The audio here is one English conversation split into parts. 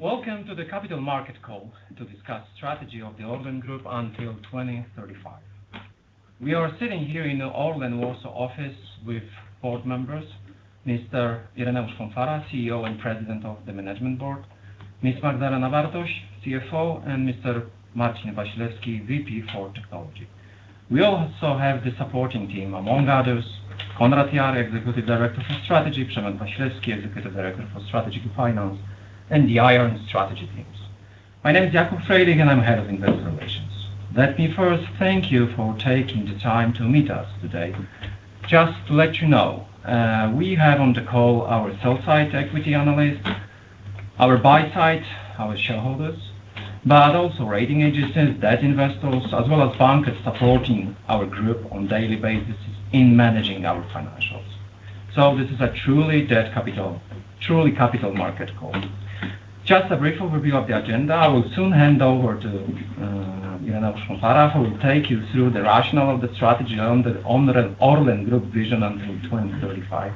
Welcome to the Capital Markets Call to discuss strategy of the ORLEN Group until 2035. We are sitting here in the ORLEN Warsaw office with board members, Mr. Ireneusz Fąfara, CEO and President of the Management Board, Ms. Magdalena Bartoś, CFO, and Mr. Marcin Wasilewski, VP for Technology. We also have the supporting team, among others, Konrad Jar, Executive Director for Strategy, Przemysław Wasilewski, Executive Director for Strategy to Finance, and the IR and Strategy teams. My name is Jakub Frejlich, and I'm Head of Investor Relations. Let me first thank you for taking the time to meet us today. Just to let you know, we have on the call our sell-side equity analysts, our buy-side, our shareholders, but also rating agencies, debt investors, as well as bankers supporting our group on a daily basis in managing our financials. So this is a truly capital market call. Just a brief overview of the agenda. I will soon hand over to Ireneusz Fąfara, who will take you through the rationale of the strategy on the ORLEN Group vision until 2035.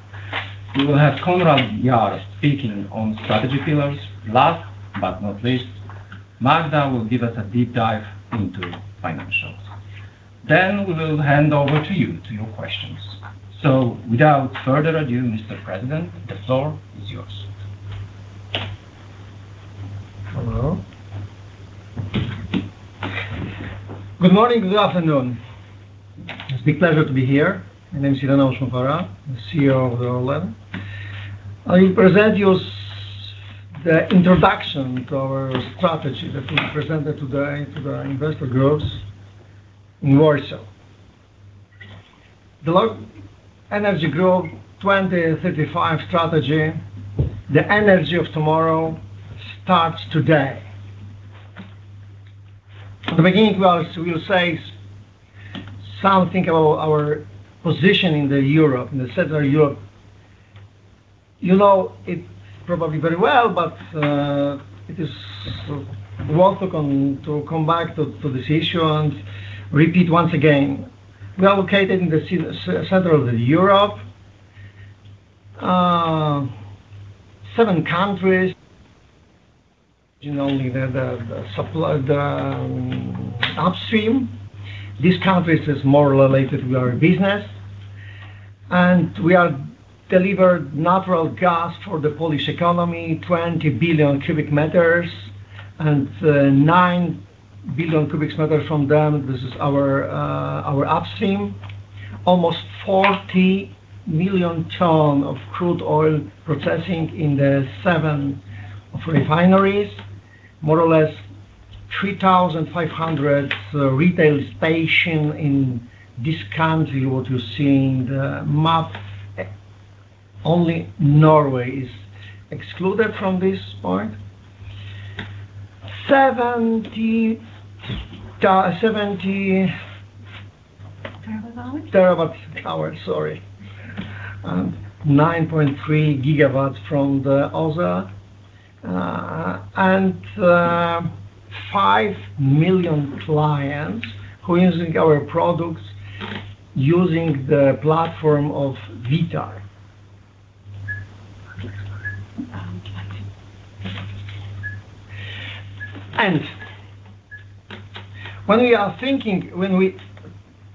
We will have Konrad Jar speaking on strategy pillars. Last but not least, Magda will give us a deep dive into financials. Then we will hand over to you, to your questions. So without further ado, Mr. President, the floor is yours. Hello. Good morning, good afternoon. It's a big pleasure to be here. My name is Ireneusz Fąfara, the CEO of ORLEN. I will present you the introduction to our strategy that we presented today to the investor groups in Warsaw. The ORLEN Energy Group 2035 strategy, The Energy of Tomorrow Starts Today. At the beginning, well, we will say something about our position in the Europe, in the Central Europe. You know it probably very well, but it is worth to come back to this issue and repeat once again. We are located in the center of Europe. Seven countries, you know, the supply, the upstream. These countries is more related to our business, and we are delivered natural gas for the Polish economy, 20 billion cubic meters, and nine billion cubic meters from them. This is our upstream. Almost 40 million tons of crude oil processing in the seven refineries, more or less 3,500 retail stations in this country. What you see on the map, only Norway is excluded from this point. Seventy- Terawatt hours? Terawatt-hour, sorry. 9.3 GW from the other, and 5 million clients who are using our products, using the platform of VITAY. And when we are thinking.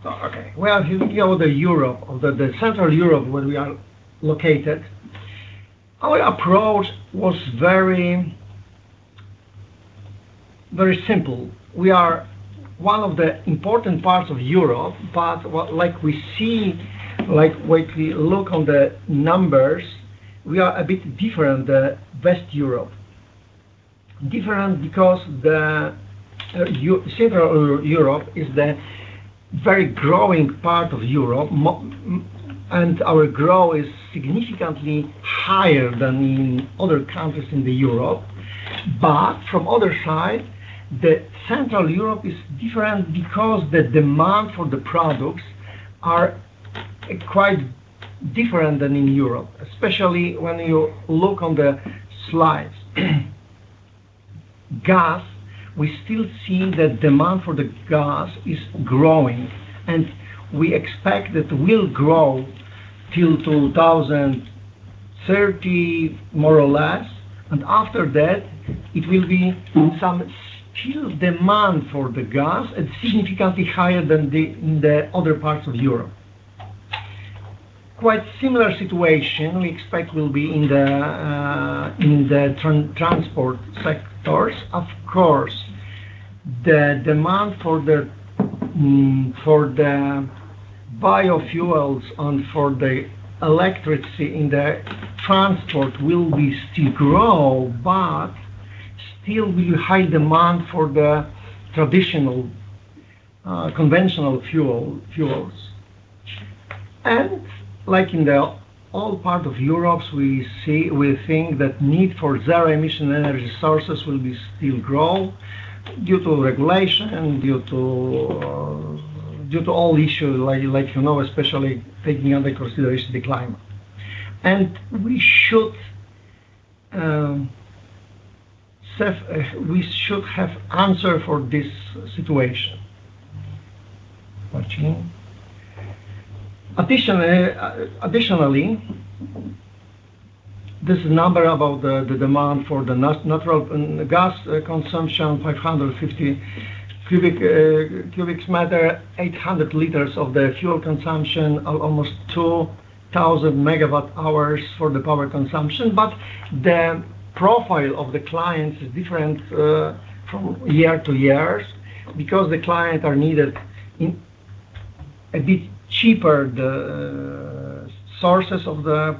Oh, okay. Well, you know, Europe, or Central Europe, where we are located, our approach was very, very simple. We are one of the important parts of Europe, but what, like we see, like when we look on the numbers, we are a bit different than West Europe. Different because Central Europe is the very growing part of Europe, and our growth is significantly higher than in other countries in Europe. But from other side, Central Europe is different because the demand for the products are quite different than in Europe, especially when you look on the slides. Gas, we still see that demand for the gas is growing, and we expect that it will grow till 2030, more or less, and after that, it will be some still demand for the gas at significantly higher than the, in the other parts of Europe. Quite similar situation we expect will be in the transport sectors. Of course, the demand for the biofuels and for the electricity in the transport will be still grow, but still, we high demand for the traditional, conventional fuel, fuels. And like in the all part of Europe, we think that need for zero-emission energy sources will be still grow due to regulation and due to all issues like, like, you know, especially taking under consideration the climate. We should have answer for this situation. Actually, additionally, additionally, this number about the demand for the natural gas consumption, 550 cu m 800 L of the fuel consumption, almost 2,000 MWh for the power consumption. But the profile of the clients is different from year to years, because the clients are needed in a bit cheaper the sources of the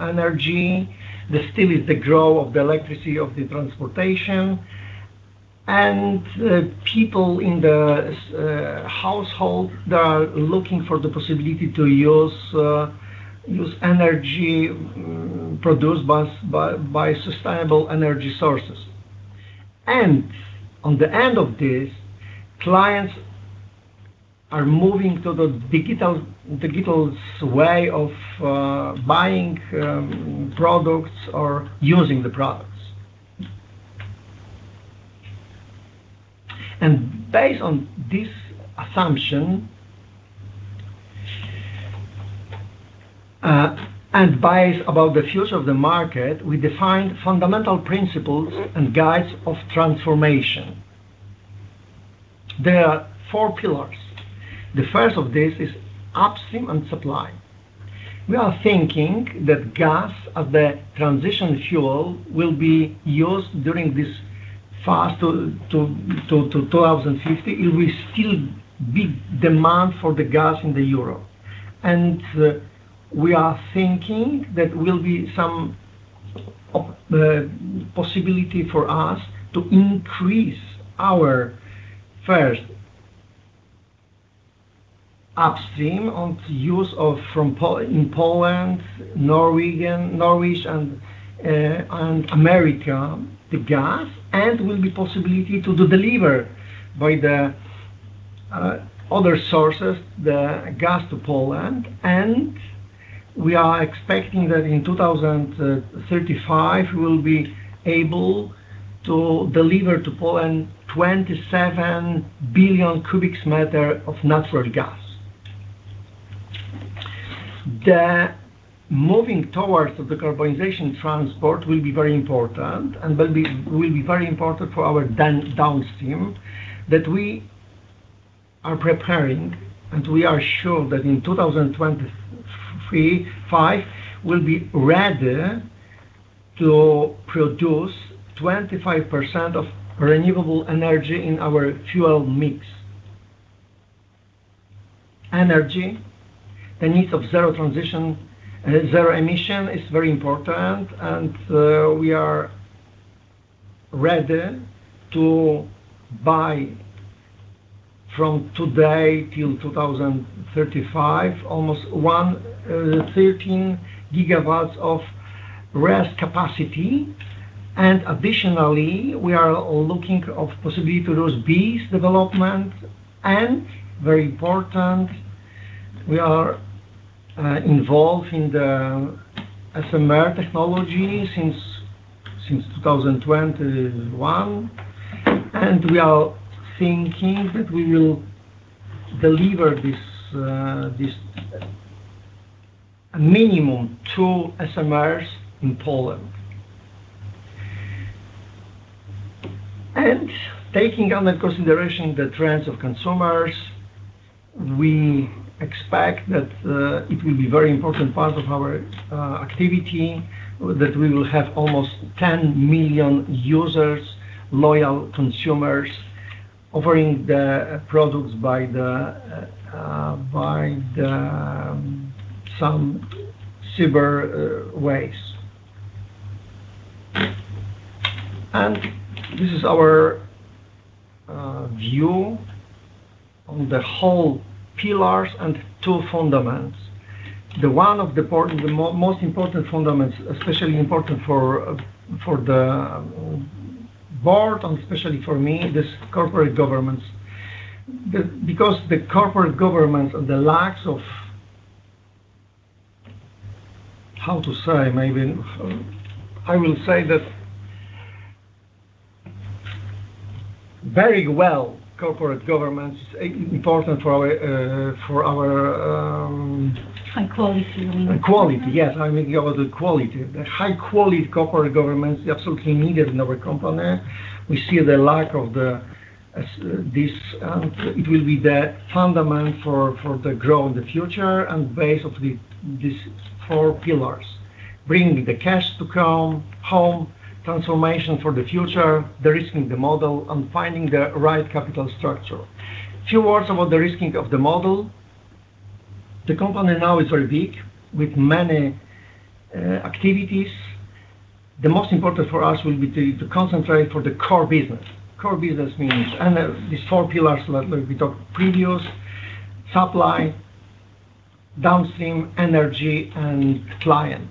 energy. There still is the growth of the electricity, of the transportation. And people in the household, they are looking for the possibility to use energy produced by sustainable energy sources. And on the end of this, clients are moving to the digital way of buying products or using the products. Based on this assumption, and based about the future of the market, we defined fundamental principles and guides of transformation. There are four pillars. The first of this is Upstream and Supply. We are thinking that gas as the transition fuel will be used during this fast to 2050. It will still be demand for the gas in the Europe. We are thinking that will be some of the possibility for us to increase our first upstream on the use of from Poland, Norway, and America, the gas, and will be possibility to deliver by the other sources, the gas to Poland. We are expecting that in 2035, we will be able to deliver to Poland 27 billion cu m of natural gas. The moving towards of the decarbonization transport will be very important, and will be very important for our Downstream, that we are preparing, and we are sure that in 2023-2025, we'll be ready to produce 25% of renewable energy in our fuel mix. The need of zero transition, zero emission is very important, and we are ready to buy from today till 2035, almost 13 GW of RES capacity. And additionally, we are looking of possibility to BESS development. And very important, we are involved in the SMR technology since 2021, and we are thinking that we will deliver this, this minimum two SMRs in Poland. Taking under consideration the trends of consumers, we expect that it will be very important part of our activity, that we will have almost 10 million users, loyal consumers, offering the products by the by the some cyber ways. This is our view on the whole pillars and two fundamentals. The most important fundamentals, especially important for for the board and especially for me, corporate governance. Because the corporate governance, the lack of... How to say, maybe? I will say that corporate governance is important for our for our. High quality, you mean. High quality, yes. I'm making about the quality. The high quality corporate governance is absolutely needed in our company. We see the lack of the, this, it will be the foundation for, for the growth in the future and base of the, these four pillars: bringing the cash home, transformation for the future, de-risking the model, and finding the right capital structure. Few words about the de-risking of the model. The company now is very big, with many, activities. The most important for us will be to, to concentrate for the core business. Core business means and the, these four pillars that we talked previous: Supply, Downstream, Energy, and Client.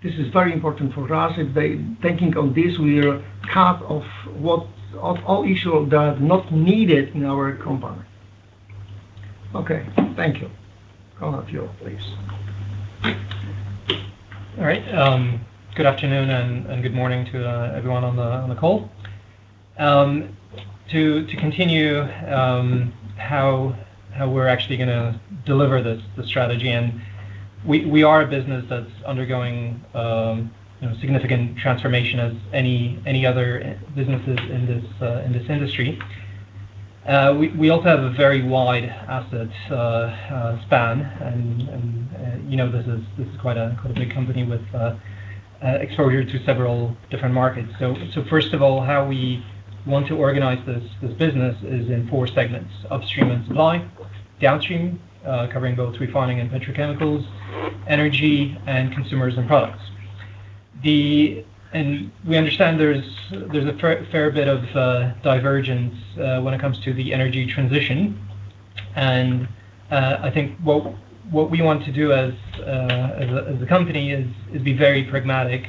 This is very important for us. If they thinking of this, we are half of what- of all issue that not needed in our company. Okay, thank you. Konrad, please. All right. Good afternoon and good morning to everyone on the call. To continue, how we're actually gonna deliver this strategy. And we are a business that's undergoing, you know, significant transformation as any other businesses in this industry. We also have a very wide asset span. And you know, this is quite a big company with exposure to several different markets. So first of all, how we want to organize this business is in four segments: Upstream and Supply, Downstream, covering both refining and petrochemicals, Energy, and Consumers and Products. And we understand there's a fair bit of divergence when it comes to the energy transition, and I think what we want to do as a company is be very pragmatic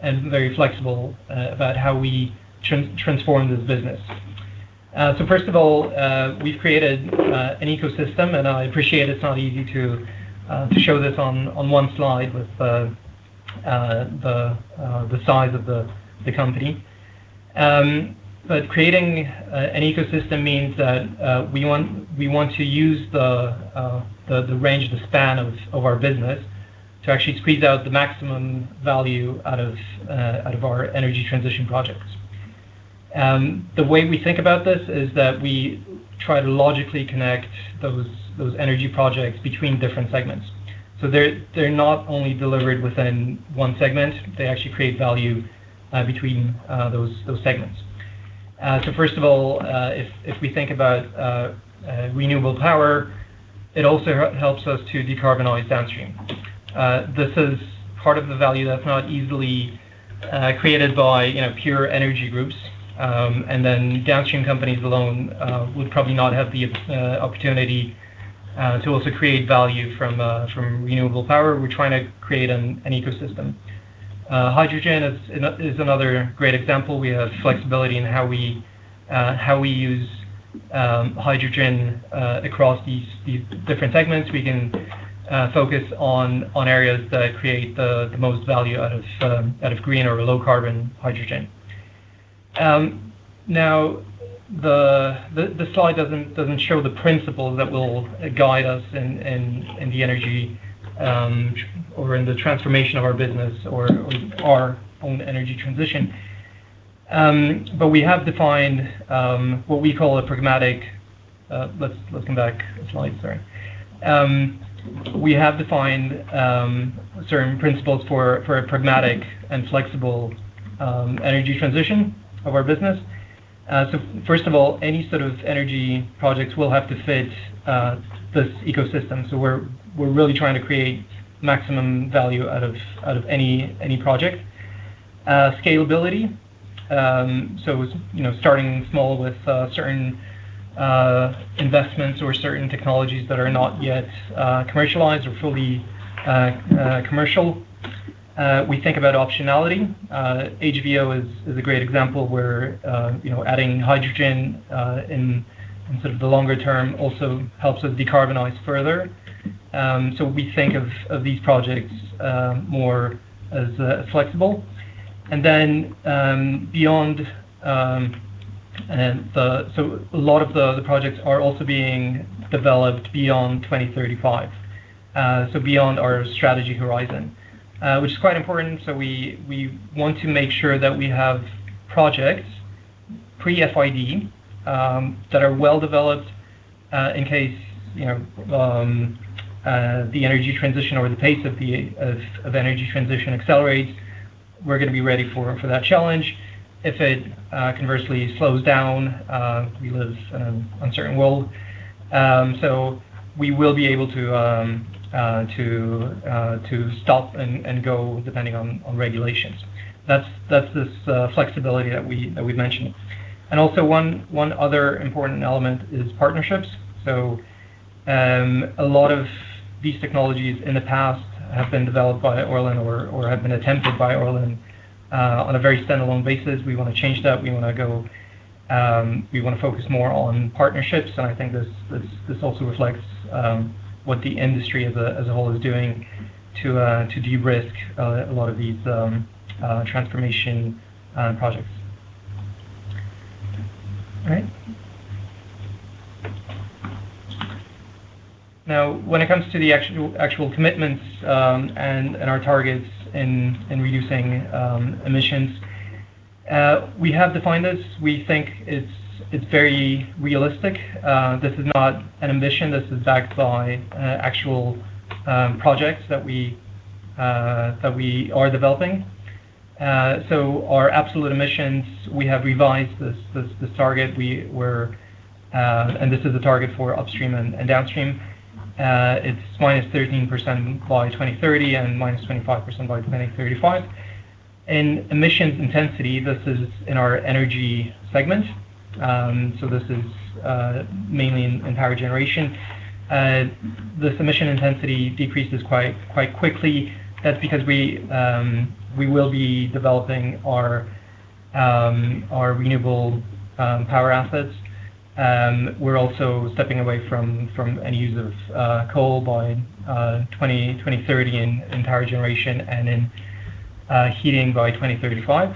and very flexible about how we transform this business. So first of all, we've created an ecosystem, and I appreciate it's not easy to show this on one slide with the size of the company. But creating an ecosystem means that we want to use the range and the span of our business to actually squeeze out the maximum value out of our energy transition projects. The way we think about this is that we try to logically connect those energy projects between different segments. So they're not only delivered within one segment, they actually create value between those segments. So first of all, if we think about renewable power, it also helps us to decarbonize downstream. This is part of the value that's not easily created by, you know, pure energy groups. And then downstream companies alone would probably not have the opportunity to also create value from renewable power. We're trying to create an ecosystem. Hydrogen is another great example. We have flexibility in how we use hydrogen across these different segments. We can focus on areas that create the most value out of green or low-carbon hydrogen. Now, the slide doesn't show the principles that will guide us in the energy or in the transformation of our business or our own energy transition. But we have defined what we call a pragmatic. Let's come back to slide. Sorry. We have defined certain principles for a pragmatic and flexible energy transition of our business. So first of all, any sort of energy projects will have to fit this ecosystem, so we're really trying to create maximum value out of any project. Scalability, so, you know, starting small with certain investments or certain technologies that are not yet commercialized or fully commercial. We think about optionality. HVO is a great example where, you know, adding hydrogen in sort of the longer term also helps us decarbonize further. So we think of these projects more as flexible. And then, beyond... So a lot of the projects are also being developed beyond 2035, so beyond our strategy horizon, which is quite important. So we want to make sure that we have projects pre-FID that are well developed, in case, you know, the energy transition or the pace of the energy transition accelerates, we're gonna be ready for that challenge. If it conversely slows down, we live in an uncertain world, so we will be able to to stop and go, depending on regulations. That's this flexibility that we've mentioned. And also one other important element is partnerships. So, a lot of these technologies in the past have been developed by ORLEN or have been attempted by ORLEN on a very standalone basis. We want to change that. We want to go. We want to focus more on partnerships, and I think this also reflects what the industry as a whole is doing to de-risk a lot of these transformation projects. All right. Now, when it comes to the actual commitments, and our targets in reducing emissions, we have defined this. We think it's very realistic. This is not an ambition. This is backed by actual projects that we are developing. So our absolute emissions, we have revised this target. And this is a target for Upstream and Downstream. It's -13% by 2030 and -25% by 2035. In emissions intensity, this is in our energy segment, so this is mainly in power generation. This emission intensity decreases quite quickly. That's because we will be developing our renewable power assets.... We're also stepping away from any use of coal by 2030 in power generation and in heating by 2035.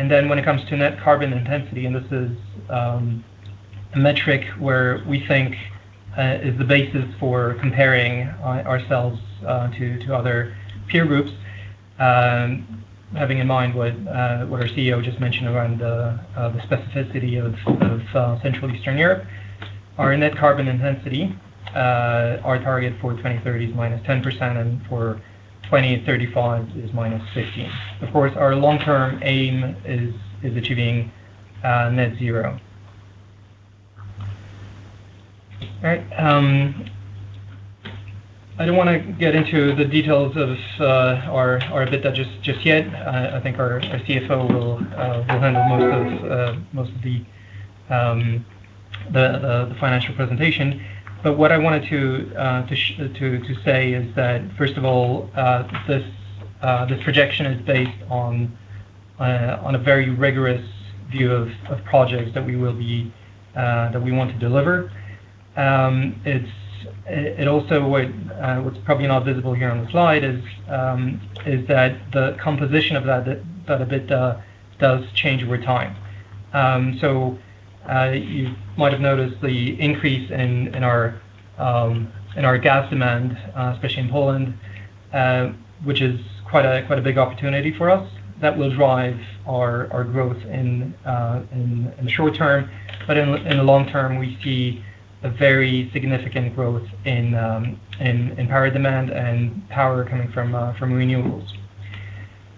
And then when it comes to net carbon intensity, and this is a metric where we think is the basis for comparing ourselves to other peer groups, having in mind what our CEO just mentioned around the specificity of Central Eastern Europe. Our net carbon intensity, our target for 2030 is -10%, and for 2035 is -15%. Of course, our long-term aim is achieving net zero. All right, I don't wanna get into the details of our EBITDA just yet. I think our CFO will handle most of the financial presentation. But what I wanted to say is that, first of all, this projection is based on a very rigorous view of projects that we want to deliver. It's also what's probably not visible here on the slide is that the composition of that EBITDA does change over time. So you might have noticed the increase in our gas demand, especially in Poland, which is quite a big opportunity for us. That will drive our growth in the short term, but in the long term, we see a very significant growth in power demand and power coming from renewables.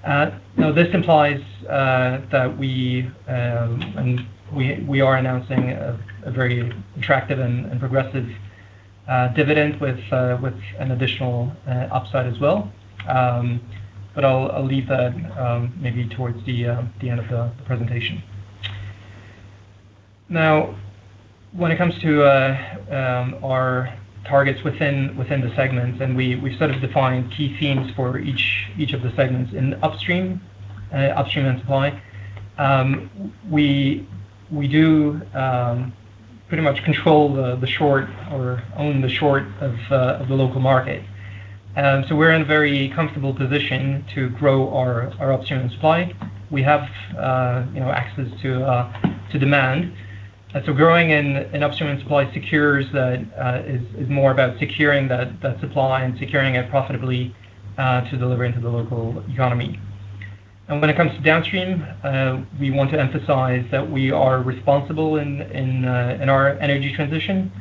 Now, this implies that we and we are announcing a very attractive and progressive dividend with an additional upside as well. But I'll leave that maybe towards the end of the presentation. Now, when it comes to our targets within the segments, and we sort of define key themes for each of the segments. In Upstream and Supply, we do pretty much control the short or own the short of the local market. So we're in a very comfortable position to grow our upstream supply. We have, you know, access to demand. So growing in upstream supply is more about securing the supply and securing it profitably to deliver into the local economy. And when it comes to Downstream, we want to emphasize that we are responsible in our energy transition,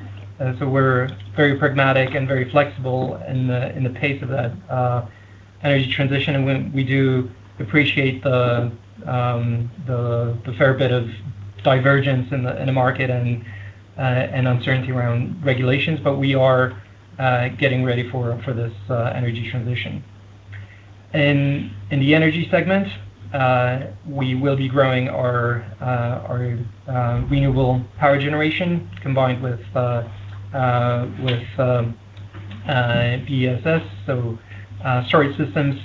so we're very pragmatic and very flexible in the pace of that energy transition. And we do appreciate the fair bit of divergence in the market and uncertainty around regulations, but we are getting ready for this energy transition. In the Energy segment, we will be growing our renewable power generation, combined with BESS, so storage systems.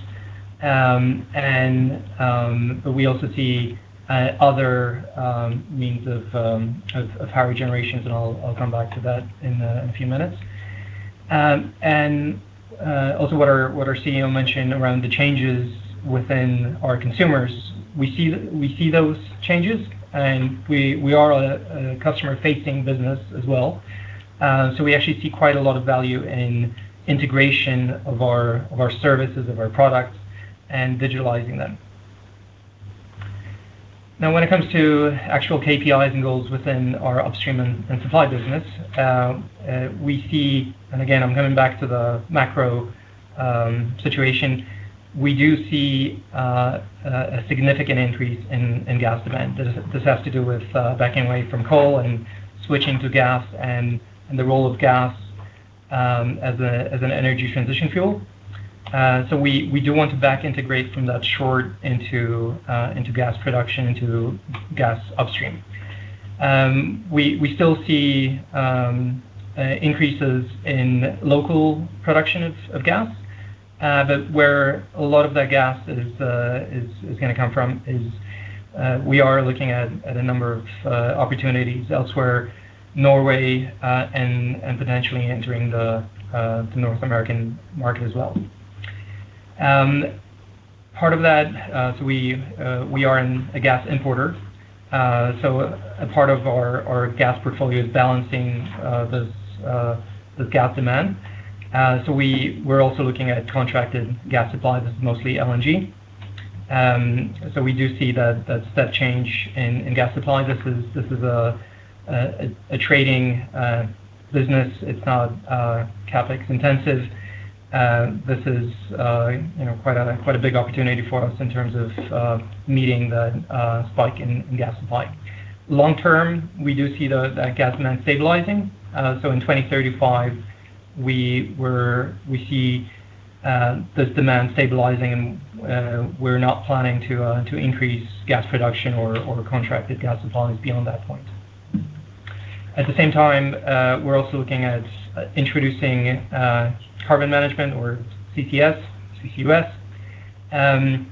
But we also see other means of power generations, and I'll come back to that in a few minutes. Also what our CEO mentioned around the changes within our consumers, we see those changes, and we are a customer-facing business as well. So we actually see quite a lot of value in integration of our services, of our products, and digitalizing them. Now, when it comes to actual KPIs and goals within our Upstream and Supply business, we see... And again, I'm coming back to the macro situation. We do see a significant increase in gas demand. This has to do with backing away from coal and switching to gas and the role of gas as an energy transition fuel. So we do want to back integrate from that short into gas production, into gas upstream. We still see increases in local production of gas, but where a lot of that gas is gonna come from is we are looking at a number of opportunities elsewhere, Norway, and potentially entering the North American market as well. Part of that, so we are a gas importer, so a part of our gas portfolio is balancing this gas demand. So we're also looking at contracted gas supply. This is mostly LNG. So we do see that step change in gas supply. This is a trading business. It's not CapEx intensive. This is, you know, quite a big opportunity for us in terms of meeting the spike in gas supply. Long term, we do see the gas demand stabilizing. So in 2035, we see this demand stabilizing, and we're not planning to increase gas production or contracted gas supplies beyond that point. At the same time, we're also looking at introducing carbon management or CCS, CCUS-...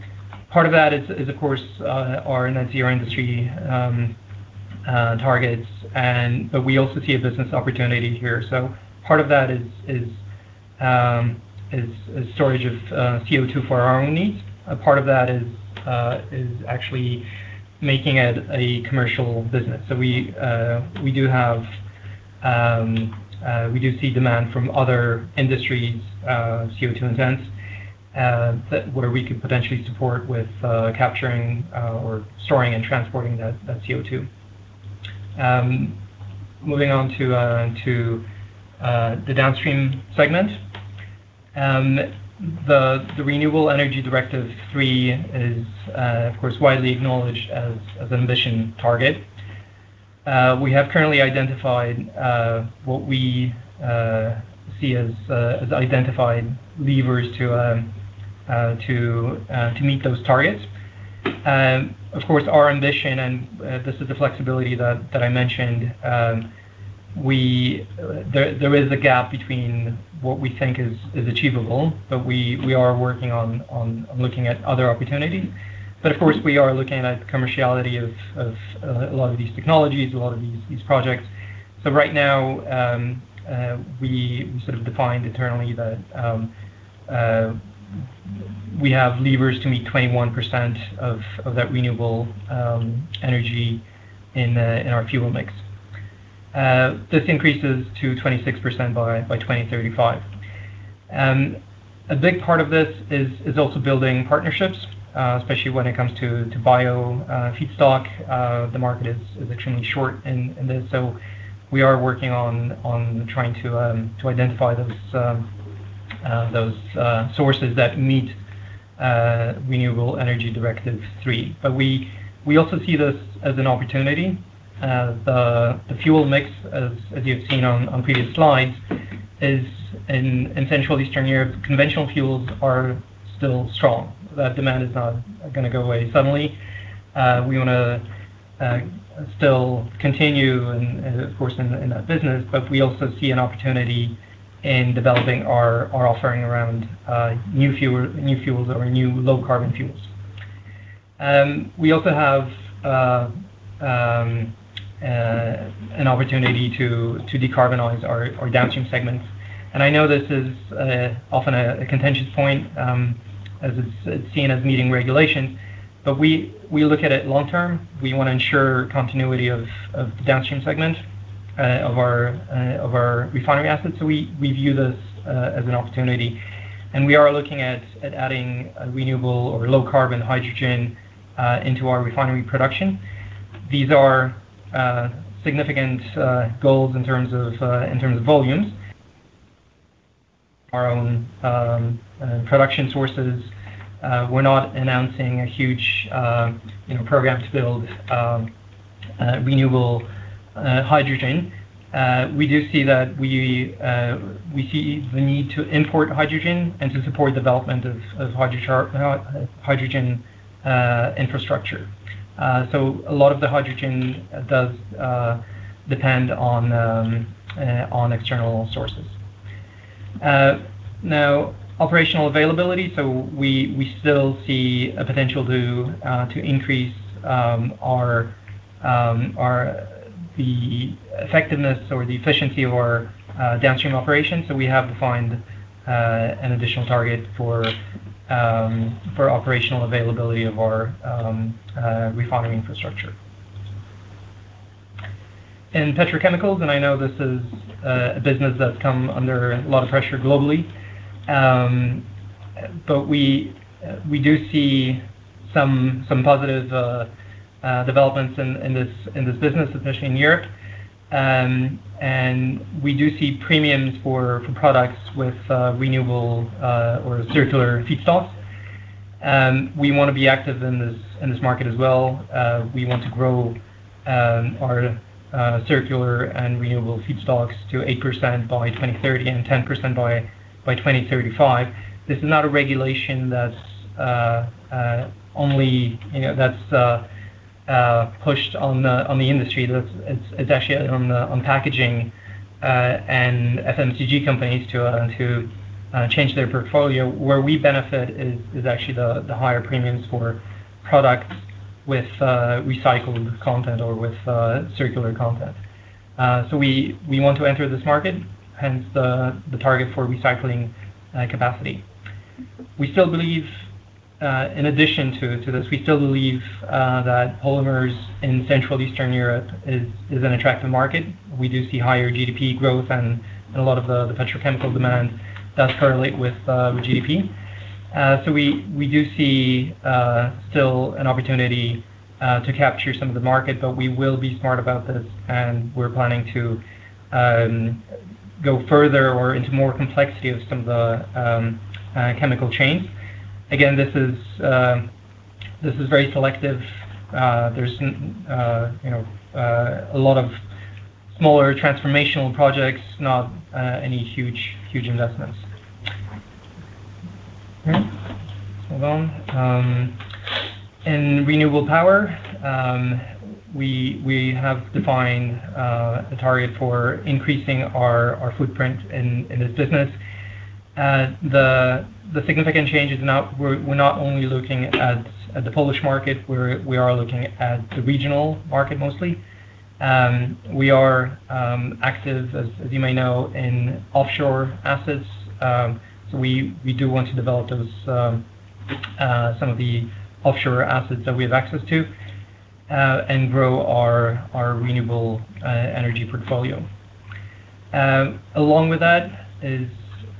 Part of that is, of course, our NZE industry targets, and but we also see a business opportunity here. So part of that is storage of CO2 for our own needs. A part of that is actually making it a commercial business. So we do have, we do see demand from other industries, CO2 intense, that where we could potentially support with capturing, or storing and transporting that CO2. Moving on to the Downstream segment. The Renewable Energy Directive III is, of course, widely acknowledged as an ambition target. We have currently identified what we see as identified levers to to meet those targets. Of course, our ambition, and this is the flexibility that I mentioned, we, there is a gap between what we think is achievable, but we are working on looking at other opportunity. But of course, we are looking at commerciality of a lot of these technologies, a lot of these projects. So right now, we sort of defined internally that we have levers to meet 21% of that renewable energy in our fuel mix. This increases to 26% by 2035. A big part of this is also building partnerships, especially when it comes to bio feedstock. The market is extremely short, and so we are working on trying to identify those sources that meet Renewable Energy Directive III. But we also see this as an opportunity. The fuel mix, as you've seen on previous slides, is in Central Eastern Europe. Conventional fuels are still strong. That demand is not gonna go away suddenly. We wanna still continue, and of course, in that business, but we also see an opportunity in developing our offering around new fuel, new fuels or new low carbon fuels. We also have an opportunity to decarbonize our Downstream segments, and I know this is often a contentious point, as it's seen as meeting regulation, but we look at it long term. We wanna ensure continuity of the Downstream segment of our refinery assets. So we view this as an opportunity, and we are looking at adding a renewable or low carbon hydrogen into our refinery production. These are significant goals in terms of volumes. Our own production sources, we're not announcing a huge, you know, program to build renewable hydrogen. We do see that we see the need to import hydrogen and to support development of hydrogen infrastructure. So a lot of the hydrogen does depend on external sources. Now, operational availability, so we still see a potential to increase our effectiveness or the efficiency of our Downstream operations, so we have to find an additional target for operational availability of our refinery infrastructure. In petrochemicals, and I know this is a business that's come under a lot of pressure globally, but we do see some positive developments in this business, especially in Europe. And we do see premiums for products with renewable or circular feedstocks. We wanna be active in this market as well. We want to grow our circular and renewable feedstocks to 8% by 2030 and 10% by 2035. This is not a regulation that's only, you know, that's pushed on the industry. That's it's actually on the packaging and FMCG companies to change their portfolio. Where we benefit is actually the higher premiums for products with recycled content or with circular content. So we want to enter this market, hence the target for recycling capacity. We still believe, in addition to this, we still believe that polymers in Central Eastern Europe is an attractive market. We do see higher GDP growth, and a lot of the petrochemical demand does correlate with GDP. So we do see still an opportunity to capture some of the market, but we will be smart about this, and we're planning to go further or into more complexity of some of the chemical chains. Again, this is very selective. You know, there's a lot of smaller transformational projects, not any huge investments. Okay, move on. In renewable power, we have defined a target for increasing our footprint in this business. The significant change is, we're not only looking at the Polish market, we are looking at the regional market mostly. We are active, as you may know, in offshore assets. So we do want to develop those, some of the offshore assets that we have access to, and grow our renewable energy portfolio. Along with that is,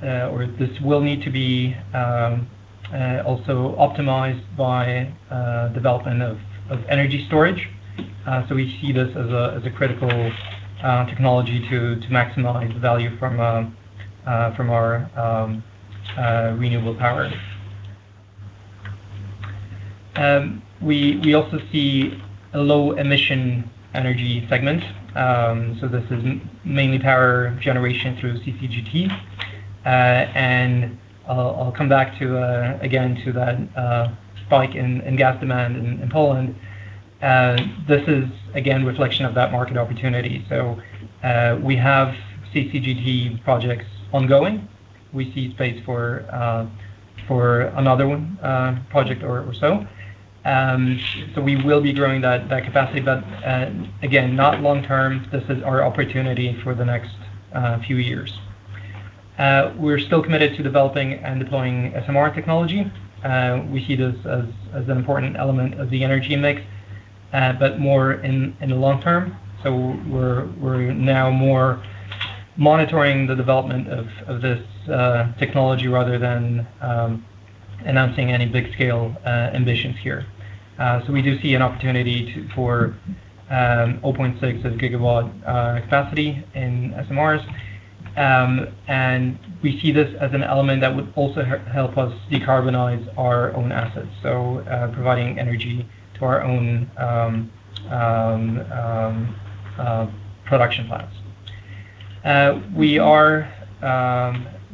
or this will need to be, also optimized by development of energy storage. So we see this as a critical technology to maximize value from our renewable power. We also see a Low Emission Energy segment. So this is mainly power generation through CCGT. And I'll come back to again to that spike in gas demand in Poland. This is again reflection of that market opportunity. So we have CCGT projects ongoing. We see space for another one project or so. So we will be growing that capacity, but again, not long term. This is our opportunity for the next few years. We're still committed to developing and deploying SMR technology. We see this as an important element of the energy mix, but more in the long term. So we're now more monitoring the development of this technology rather than announcing any big scale ambitions here. So we do see an opportunity for 0.6 GW capacity in SMRs. And we see this as an element that would also help us decarbonize our own assets, so providing energy to our own production plants.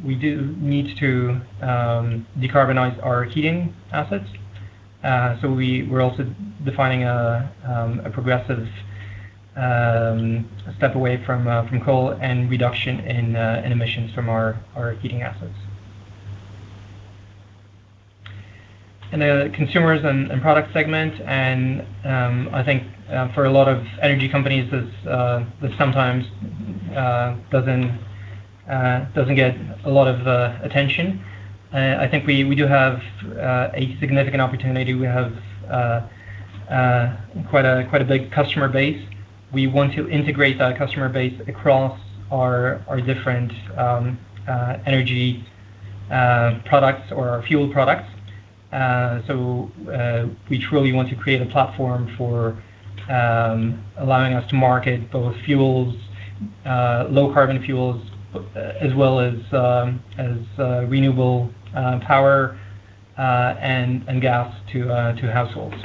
We do need to decarbonize our heating assets. So we're also defining a progressive step away from coal and reduction in emissions from our heating assets. In the Consumers and Product segment, and I think for a lot of energy companies, this sometimes doesn't get a lot of attention. I think we do have a significant opportunity. We have quite a big customer base. We want to integrate that customer base across our different energy products or our fuel products. So we truly want to create a platform for allowing us to market both fuels, low carbon fuels, as well as renewable power and gas to households.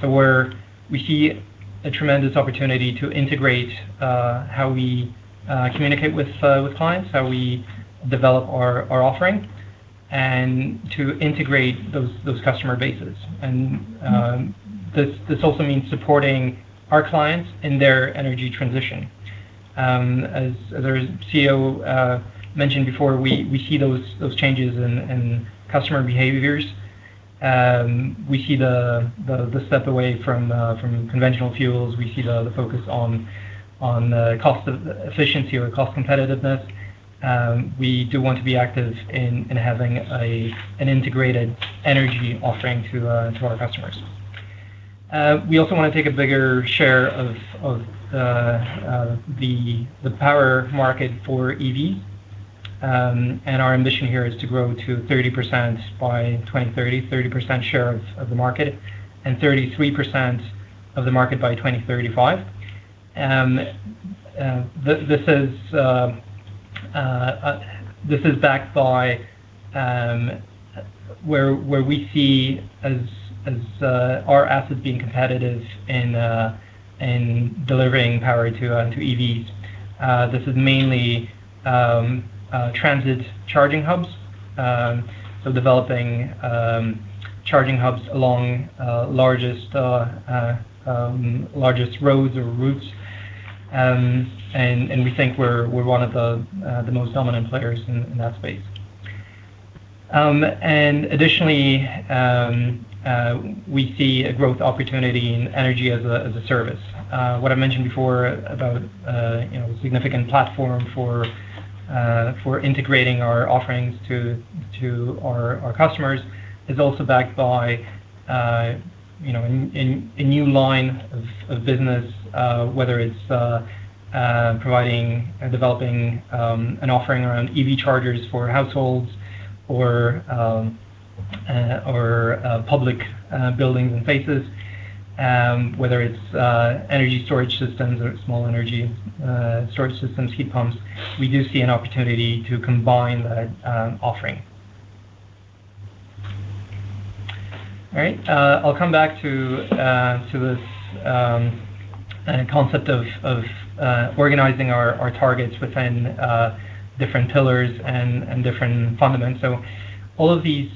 So we see a tremendous opportunity to integrate how we communicate with clients, how we develop our offering, and to integrate those customer bases. This also means supporting our clients in their energy transition. As other CEO mentioned before, we see those changes in customer behaviors. We see the step away from conventional fuels. We see the focus on cost of efficiency or cost competitiveness. We do want to be active in having an integrated energy offering to our customers. We also wanna take a bigger share of the power market for EV. And our ambition here is to grow to 30% by 2030, 30% share of the market, and 33% of the market by 2035. This is backed by where we see as our assets being competitive in delivering power to EVs. This is mainly transit charging hubs. So developing charging hubs along largest roads or routes. And we think we're one of the most dominant players in that space. And additionally, we see a growth opportunity in energy as a service. What I mentioned before about, you know, significant platform for integrating our offerings to our customers, is also backed by, you know, a new line of business, whether it's providing or developing an offering around EV chargers for households or public buildings and places. Whether it's energy storage systems or small energy storage systems, heat pumps, we do see an opportunity to combine that offering. All right. I'll come back to this and a concept of organizing our targets within different pillars and different fundamentals. So all of these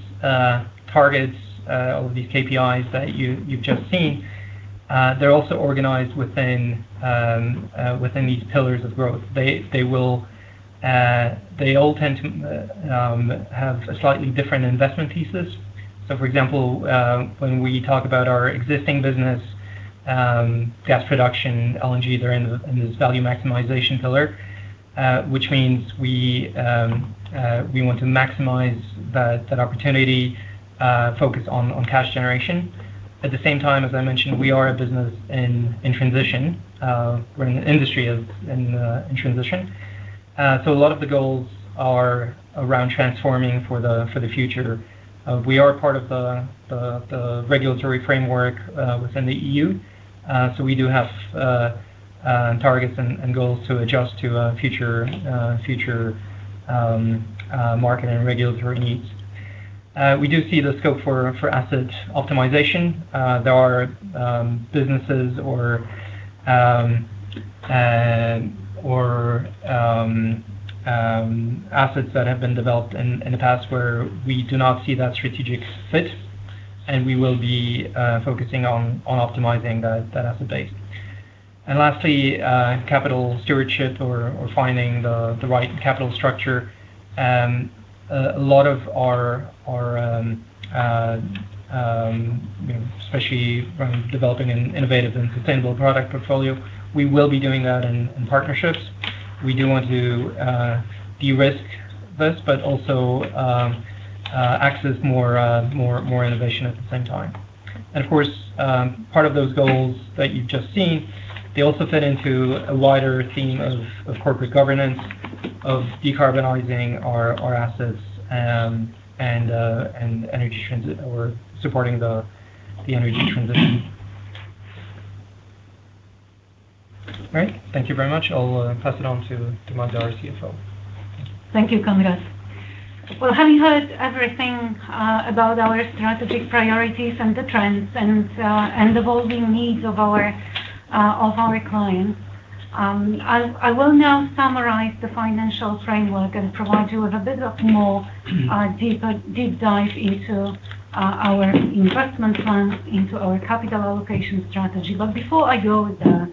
targets, all these KPIs that you've just seen, they're also organized within these pillars of growth. They all tend to have a slightly different investment thesis. So, for example, when we talk about our existing business, gas production, LNG, they're in this value maximization pillar, which means we want to maximize that opportunity, focus on cash generation. At the same time, as I mentioned, we are a business in transition. We're in an industry in transition. So a lot of the goals are around transforming for the future. We are part of the regulatory framework within the EU. So we do have targets and goals to adjust to future market and regulatory needs. We do see the scope for asset optimization. There are businesses or assets that have been developed in the past where we do not see that strategic fit, and we will be focusing on optimizing that asset base. And lastly, capital stewardship or finding the right capital structure. A lot of our, especially from developing an innovative and sustainable product portfolio, we will be doing that in partnerships. We do want to de-risk this, but also access more innovation at the same time. And of course, part of those goals that you've just seen, they also fit into a wider theme of corporate governance, of decarbonizing our assets, and energy transition, or supporting the energy transition. All right. Thank you very much. I'll pass it on to Magda, our CFO. Thank you, Konrad. Well, having heard everything about our strategic priorities and the trends and the evolving needs of our clients, I will now summarize the financial framework and provide you with a bit of more deep dive into our investment plans, into our capital allocation strategy. But before I go there,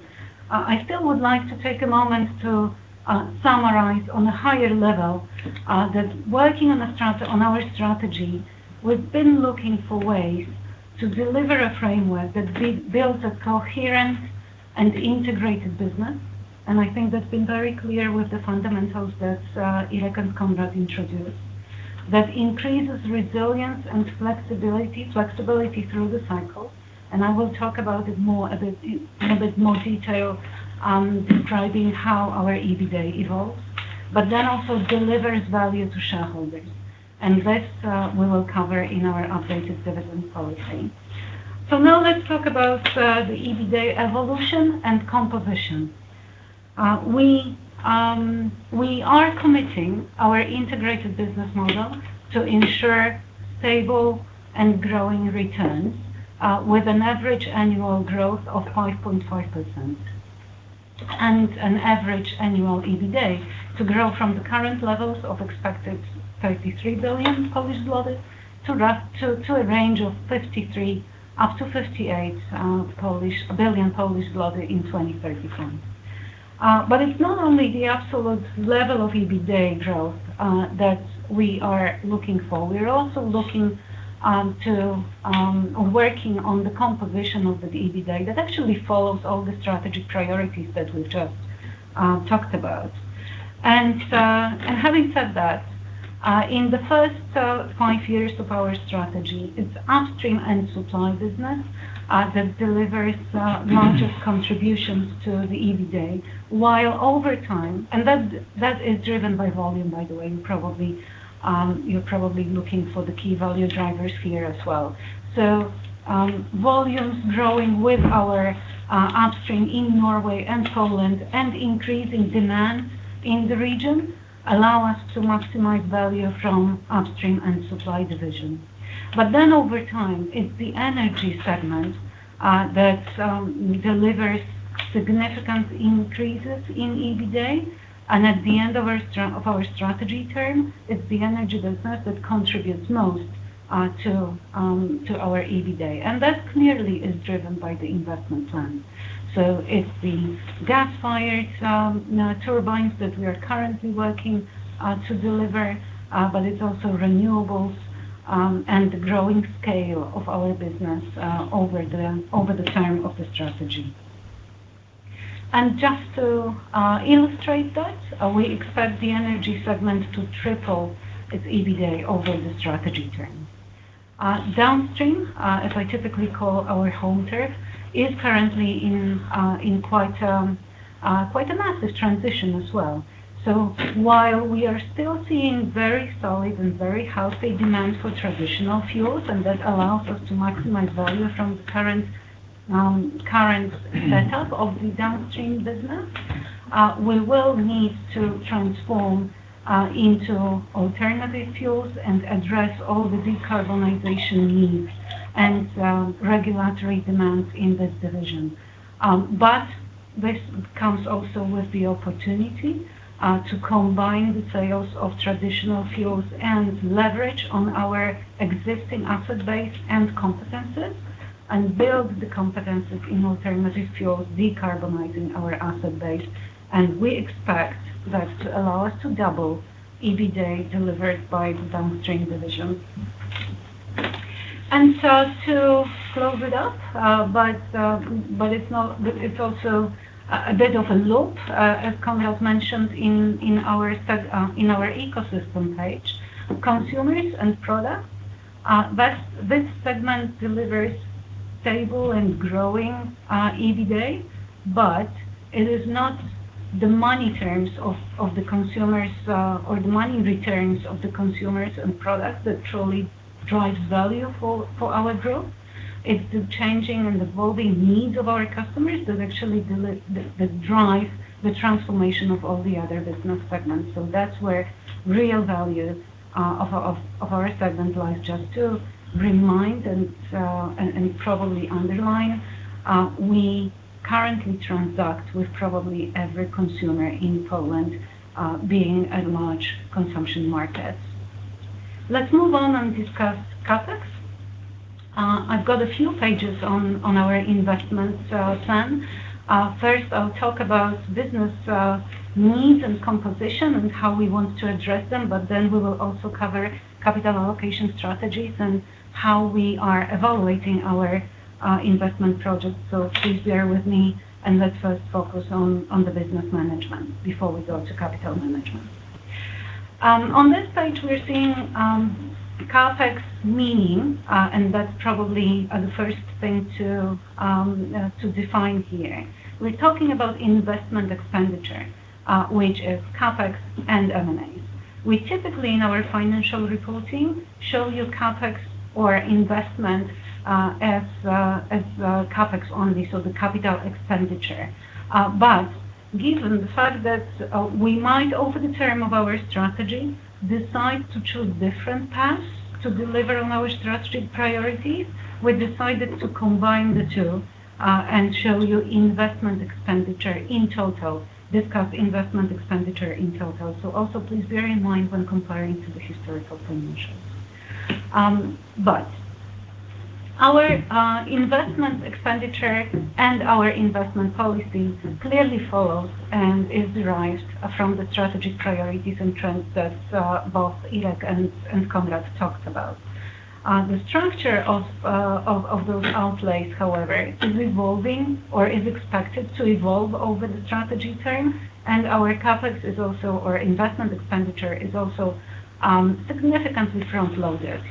I still would like to take a moment to summarize on a higher level that working on a strategy, on our strategy, we've been looking for ways to deliver a framework that builds a coherent and integrated business. I think that's been very clear with the fundamentals that Ireneusz and Konrad introduced. That increases resilience and flexibility, flexibility through the cycle, and I will talk about it more, a bit, in a bit more detail, describing how our EBITDA evolves, but then also delivers value to shareholders. This, we will cover in our updated dividend policy. Now let's talk about the EBITDA evolution and composition. We are committing our integrated business model to ensure stable and growing returns, with an average annual growth of 5.5%, and an average annual EBITDA to grow from the current levels of expected 33 billion Polish zloty, to a range of 53 billion-58 billion Polish zloty in 2031. But it's not only the absolute level of EBITDA growth, that we are looking for. We are also looking to working on the composition of the EBITDA. That actually follows all the strategic priorities that we've just talked about. And having said that, in the first five years of our strategy, it's Upstream and Supply business that delivers largest contributions to the EBITDA, while over time... And that is driven by volume, by the way. You're probably looking for the key value drivers here as well. So, volumes growing with our upstream in Norway and Poland, and increasing demand in the region, allow us to maximize value from Upstream and Supply division. But then over time, it's the Energy segment that delivers significant increases in EBITDA, and at the end of our strategy term, it's the energy business that contributes most to our EBITDA. And that clearly is driven by the investment plan. So it's the gas-fired turbines that we are currently working to deliver, but it's also renewables and the growing scale of our business over the term of the strategy. And just to illustrate that, we expect the Energy segment to triple its EBITDA over the strategy term. Downstream, as I typically call our home turf, is currently in quite a massive transition as well. So while we are still seeing very solid and very healthy demand for traditional fuels, and that allows us to maximize value from the current, current setup of the Downstream business, we will need to transform into alternative fuels and address all the decarbonization needs and regulatory demands in this division. This comes also with the opportunity to combine the sales of traditional fuels and leverage on our existing asset base and competencies, and build the competencies in alternative fuels, decarbonizing our asset base. And we expect that to allow us to double EBITDA delivered by the Downstream division. And so to close it up, but it's also a bit of a loop, as Konrad mentioned in our ecosystem page. Consumers and Products, this segment delivers stable and growing EBITDA, but it is not the money terms of the consumers, or the money returns of the Consumers and Products that truly drives value for our group. It's the changing and evolving needs of our customers that actually drive the transformation of all the other business segments. So that's where real value of our segment lies. Just to remind and probably underline, we currently transact with probably every consumer in Poland, being a large consumption market. Let's move on and discuss CapEx. I've got a few pages on our investment plan. First, I'll talk about business needs and composition and how we want to address them, but then we will also cover capital allocation strategies and how we are evaluating our investment projects. So please bear with me, and let's first focus on the business management before we go to capital management. On this page, we're seeing CapEx meaning, and that's probably the first thing to define here. We're talking about investment expenditure, which is CapEx and M&A. We typically, in our financial reporting, show you CapEx or investment as CapEx only, so the capital expenditure. But given the fact that we might, over the term of our strategy, decide to choose different paths to deliver on our strategic priorities, we decided to combine the two and show you investment expenditure in total, discuss investment expenditure in total. Also, please bear in mind when comparing to the historical financials. But our investment expenditure and our investment policy clearly follows and is derived from the strategic priorities and trends that both Irek and Konrad talked about. The structure of those outlays, however, is evolving or is expected to evolve over the strategy term, and our CapEx is also... or investment expenditure, is also significantly front-loaded.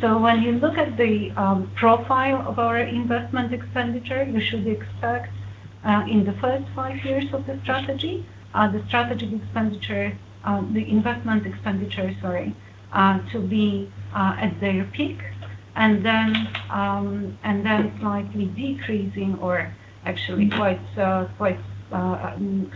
So when you look at the profile of our investment expenditure, you should expect in the first five years of the strategy, the strategic expenditure, the investment expenditure, sorry, to be at their peak, and then and then slightly decreasing, or actually quite quite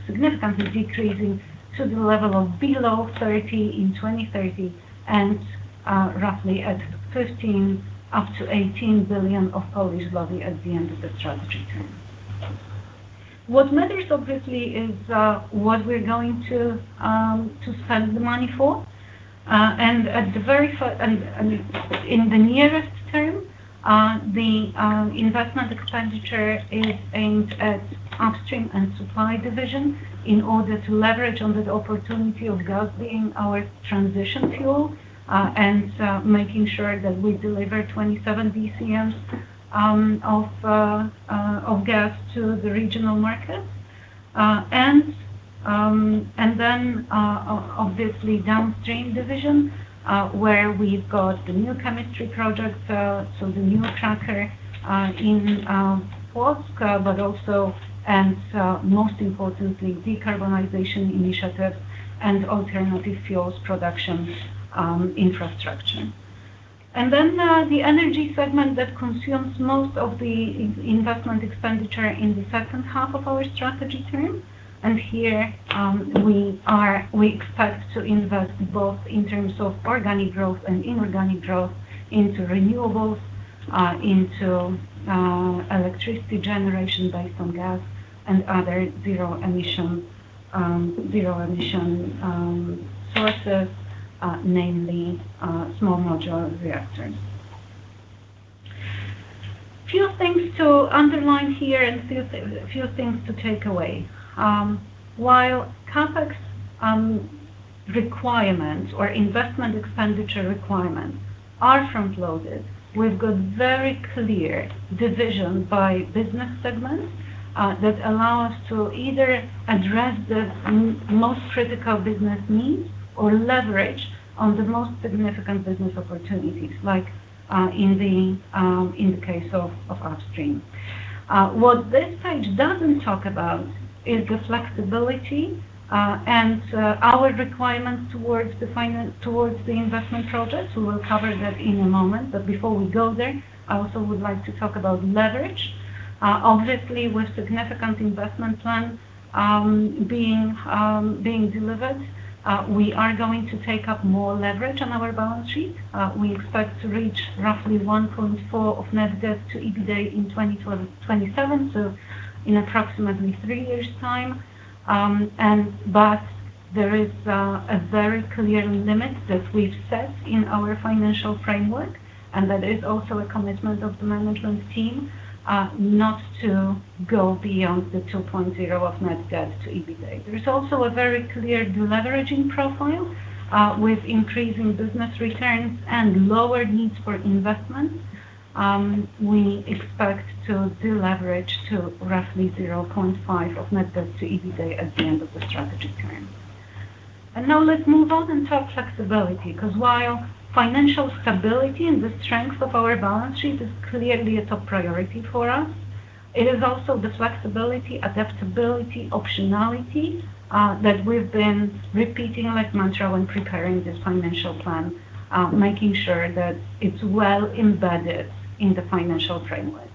significantly decreasing to the level of below 30 billion in 2030, and roughly at 15 billion up to 18 billion of Polish zloty at the end of the strategy term. What matters, obviously, is what we're going to to spend the money for. And at the very first... And in the nearest term, the investment expenditure is aimed at Upstream and Supply division, in order to leverage on the opportunity of gas being our transition fuel, and making sure that we deliver 27 bcm of gas to the regional market. And then, obviously, Downstream division, where we've got the new chemistry project, so the new cracker in Płock, but also and most importantly, decarbonization initiatives and alternative fuels production infrastructure. The Energy segment that consumes most of the investment expenditure in the second half of our strategy term, and here, we expect to invest both in terms of organic growth and inorganic growth into renewables, into electricity generation based on gas and other zero emission sources, namely small modular reactors. A few things to underline here and few things to take away. While CapEx requirements or investment expenditure requirements are front-loaded, we've got very clear division by business segments that allow us to either address the most critical business needs or leverage on the most significant business opportunities, like in the case of Upstream. What this page doesn't talk about is the flexibility and our requirements towards the investment projects. We will cover that in a moment. But before we go there, I also would like to talk about leverage. Obviously, with significant investment plan being delivered, we are going to take up more leverage on our balance sheet. We expect to reach roughly 1.4 of net debt to EBITDA in 2027, so in approximately 3 years' time. There is a very clear limit that we've set in our financial framework, and that is also a commitment of the management team, not to go beyond the 2.0 of net debt to EBITDA. There's also a very clear deleveraging profile with increasing business returns and lower needs for investment. We expect to deleverage to roughly 0.5 of net debt to EBITDA at the end of the strategy term. And now let's move on and talk flexibility, because while financial stability and the strength of our balance sheet is clearly a top priority for us, it is also the flexibility, adaptability, optionality that we've been repeating like mantra when preparing this financial plan, making sure that it's well embedded in the financial framework.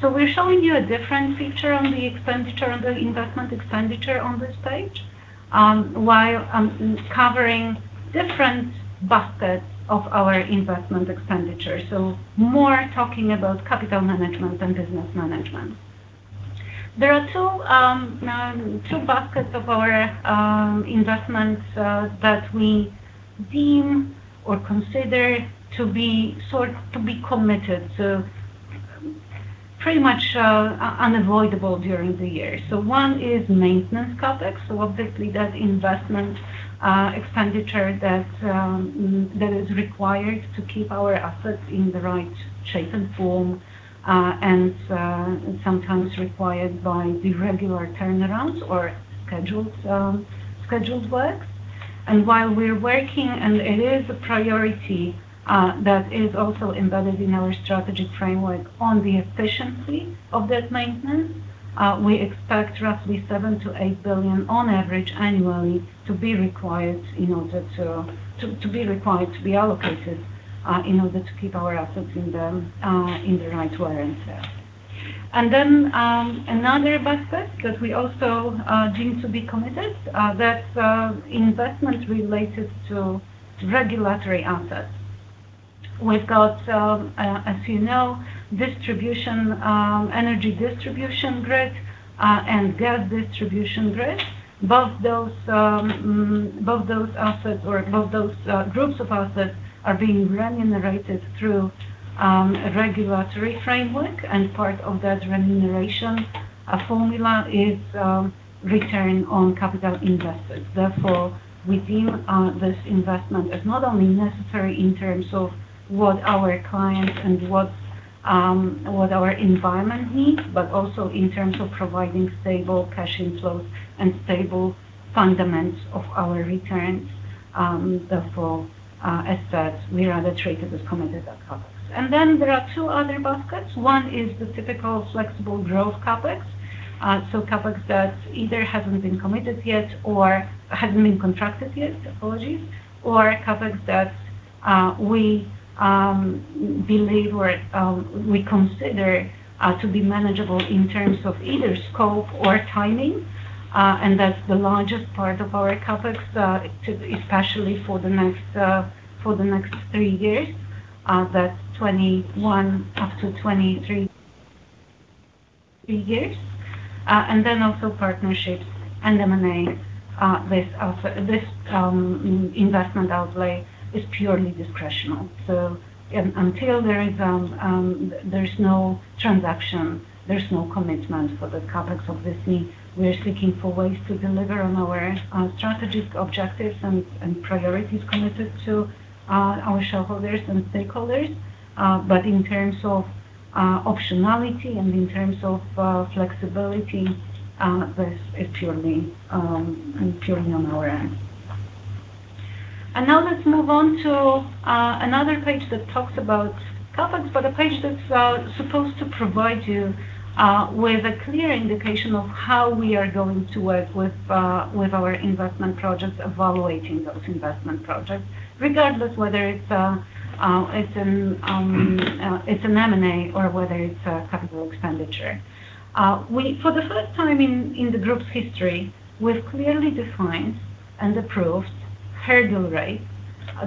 So we're showing you a different feature on the expenditure, on the investment expenditure on this page, while covering different baskets of our investment expenditure, so more talking about capital management than business management. There are two baskets of our investments that we deem or consider to be sort of committed, so pretty much unavoidable during the year. So one is maintenance CapEx, so obviously that investment, expenditure that is required to keep our assets in the right shape and form, and sometimes required by the regular turnarounds or scheduled works. And while we're working, and it is a priority, that is also embedded in our strategic framework on the efficiency of that maintenance, we expect roughly 7 billion-8 billion on average annually to be required to be allocated, in order to keep our assets in the right wear and tear. And then, another basket that we also deem to be committed, that's investment related to regulatory assets. We've got, as you know, distribution, energy distribution grid, and gas distribution grid. Both those assets or both those groups of assets are being remunerated through a regulatory framework, and part of that remuneration, a formula is return on capital invested. Therefore, we deem this investment as not only necessary in terms of what our clients and what our environment needs, but also in terms of providing stable cash inflows and stable fundamentals of our returns, therefore, assets we rather treat it as committed as CapEx. And then there are two other baskets. One is the typical flexible growth CapEx, so CapEx that either hasn't been committed yet or hasn't been contracted yet, apologies, or CapEx that we believe or we consider to be manageable in terms of either scope or timing, and that's the largest part of our CapEx, especially for the next three years, that's 2021-2023 years. And then also partnerships and M&A. This also... This investment outlay is purely discretionary. So until there is, there's no transaction, there's no commitment for the CapEx. Obviously, we are seeking for ways to deliver on our strategic objectives and priorities committed to our shareholders and stakeholders, but in terms of optionality and in terms of flexibility, this is purely on our end. And now let's move on to another page that talks about CapEx, but a page that's supposed to provide you with a clear indication of how we are going to work with our investment projects, evaluating those investment projects, regardless whether it's an M&A or whether it's a capital expenditure. For the first time in the group's history, we've clearly defined and approved hurdle rates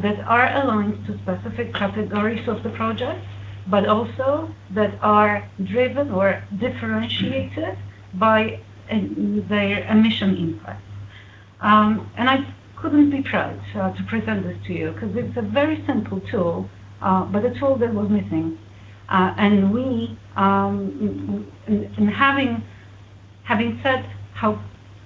that are aligned to specific categories of the projects, but also that are driven or differentiated by their emission impact. And I couldn't be proud to present this to you, because it's a very simple tool, but a tool that was missing. And we, in having said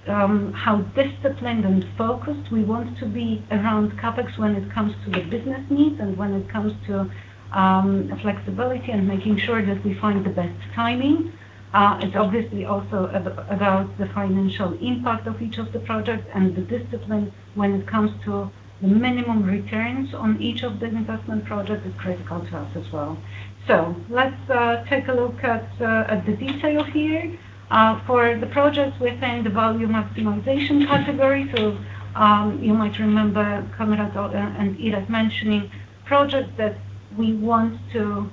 how disciplined and focused we want to be around CapEx when it comes to the business needs and when it comes to flexibility and making sure that we find the best timing, it's obviously also about the financial impact of each of the projects and the discipline when it comes to the minimum returns on each of the investment projects is critical to us as well. So let's take a look at the detail here. For the projects within the volume optimization category, so you might remember Konrad and Ireneusz mentioning projects that we want to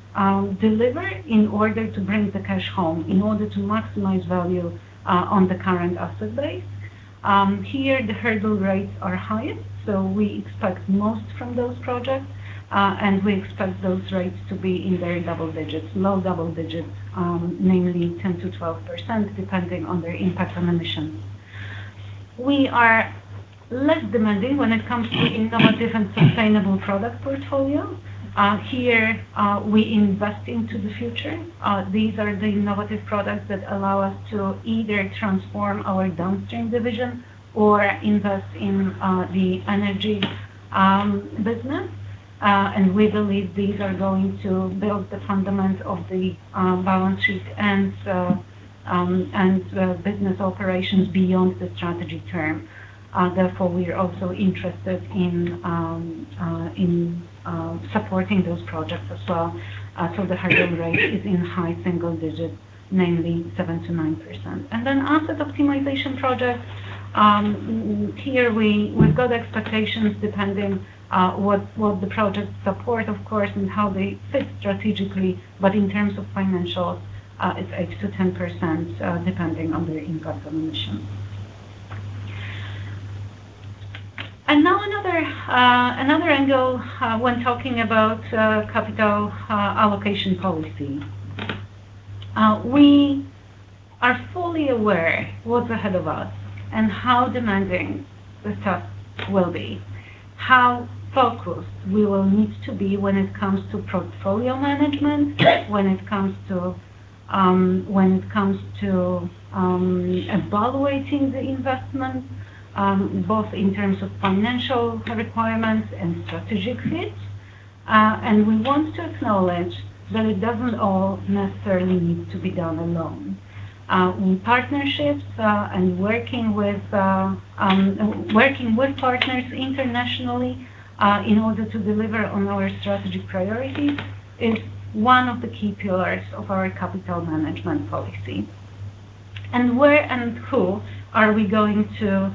deliver in order to bring the cash home, in order to maximize value on the current asset base. Here, the hurdle rates are highest, so we expect most from those projects, and we expect those rates to be in very double digits, low double digits, namely 10%-12%, depending on their impact on emissions. We are less demanding when it comes to innovative and sustainable product portfolio. Here, we invest into the future. These are the innovative products that allow us to either transform our Downstream division or invest in the Energy business. And we believe these are going to build the fundamentals of the balance sheet and so, and business operations beyond the strategy term. Therefore, we are also interested in supporting those projects as well. So the hurdle rate is in high single digits, namely 7%-9%. And then asset optimization projects, here, we've got expectations, depending on what the project support, of course, and how they fit strategically. But in terms of financials, it's 8%-10%, depending on the impact on emission. And now another angle, when talking about capital allocation policy. We are fully aware what's ahead of us and how demanding the task will be, how focused we will need to be when it comes to portfolio management, when it comes to evaluating the investment, both in terms of financial requirements and strategic fit. And we want to acknowledge that it doesn't all necessarily need to be done alone. In partnerships and working with partners internationally, in order to deliver on our strategic priorities, is one of the key pillars of our capital management policy. Where and who are we going to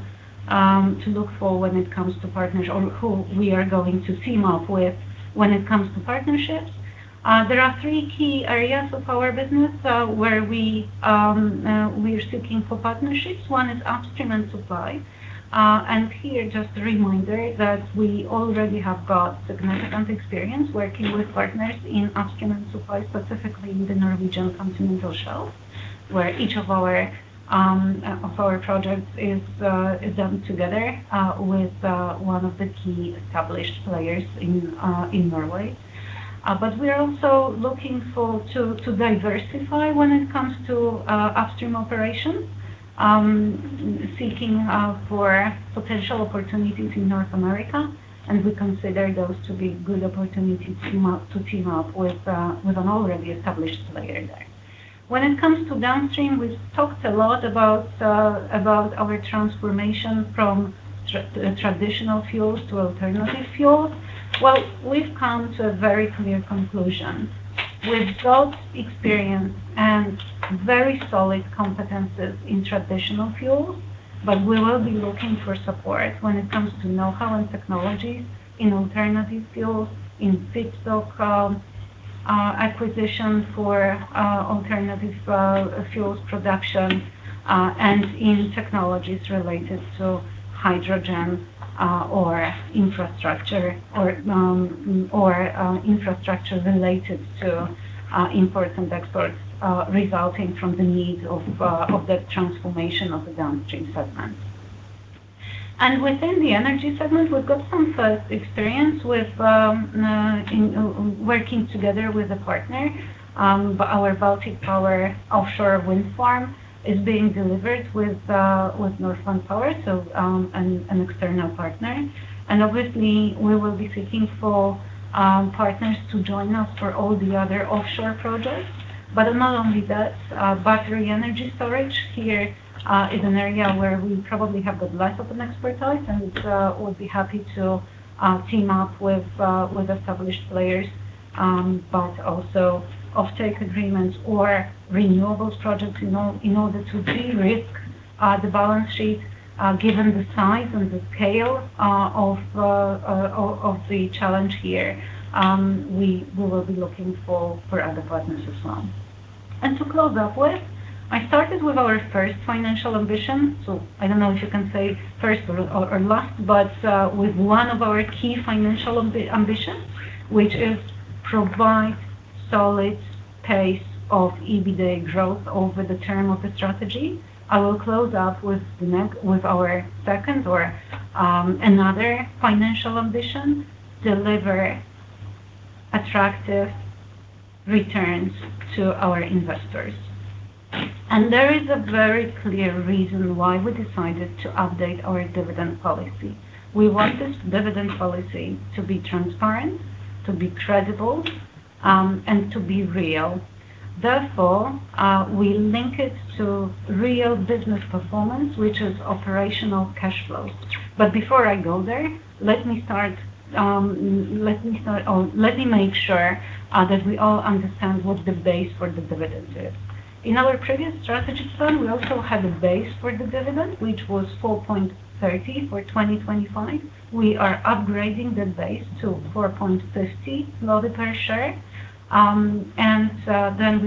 look for when it comes to partners or who we are going to team up with when it comes to partnerships? There are three key areas of our business where we are seeking for partnerships. One is Upstream and Supply. And here, just a reminder that we already have got significant experience working with partners in Upstream and Supply, specifically in the Norwegian Continental Shelf, where each of our projects is done together with one of the key established players in Norway. But we are also looking for... to diversify when it comes to Upstream operations. Seeking for potential opportunities in North America, and we consider those to be good opportunities to team up with an already established player there. When it comes to Downstream, we've talked a lot about our transformation from traditional fuels to alternative fuels. Well, we've come to a very clear conclusion. We've got experience and very solid competencies in traditional fuels, but we will be looking for support when it comes to know-how and technology in alternative fuels, in feedstock acquisition for alternative fuels production, and in technologies related to hydrogen or infrastructure or infrastructure related to imports and exports resulting from the need of the transformation of the Downstream segment. Within the Energy segment, we've got some experience with in working together with a partner. But our Baltic Power offshore wind farm is being delivered with Northland Power, so, an external partner. And obviously, we will be seeking for partners to join us for all the other offshore projects. But not only that, battery energy storage here is an area where we probably have the less of an expertise, and, we'll be happy to team up with established players, but also offtake agreements or renewables projects in order to de-risk the balance sheet, given the size and the scale of the challenge here, we will be looking for other partners as well. To close up with, I started with our first financial ambition, so I don't know if you can say first or last, but with one of our key financial ambition, which is provide solid pace of EBITDA growth over the term of the strategy. I will close out with our second or another financial ambition, deliver attractive returns to our investors. There is a very clear reason why we decided to update our dividend policy. We want this dividend policy to be transparent, to be credible, and to be real. Therefore, we link it to real business performance, which is operational cash flow. But before I go there, let me start. Let me make sure that we all understand what the base for the dividend is. In our previous strategy plan, we also had a base for the dividend, which was 4.30 for 2025. We are upgrading the base to 4.50 per share. And then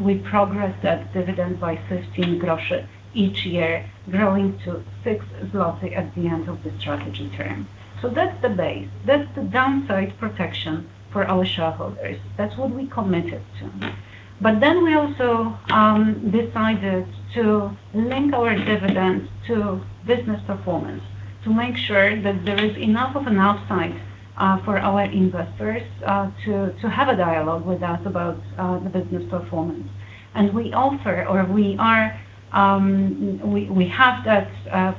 we progress that dividend by 0.15 each year, growing to 6 zloty at the end of the strategy term. So that's the base. That's the downside protection for our shareholders. That's what we committed to. But then we also decided to link our dividends to business performance, to make sure that there is enough of an upside for our investors to have a dialogue with us about the business performance. And we offer, or we are, we have that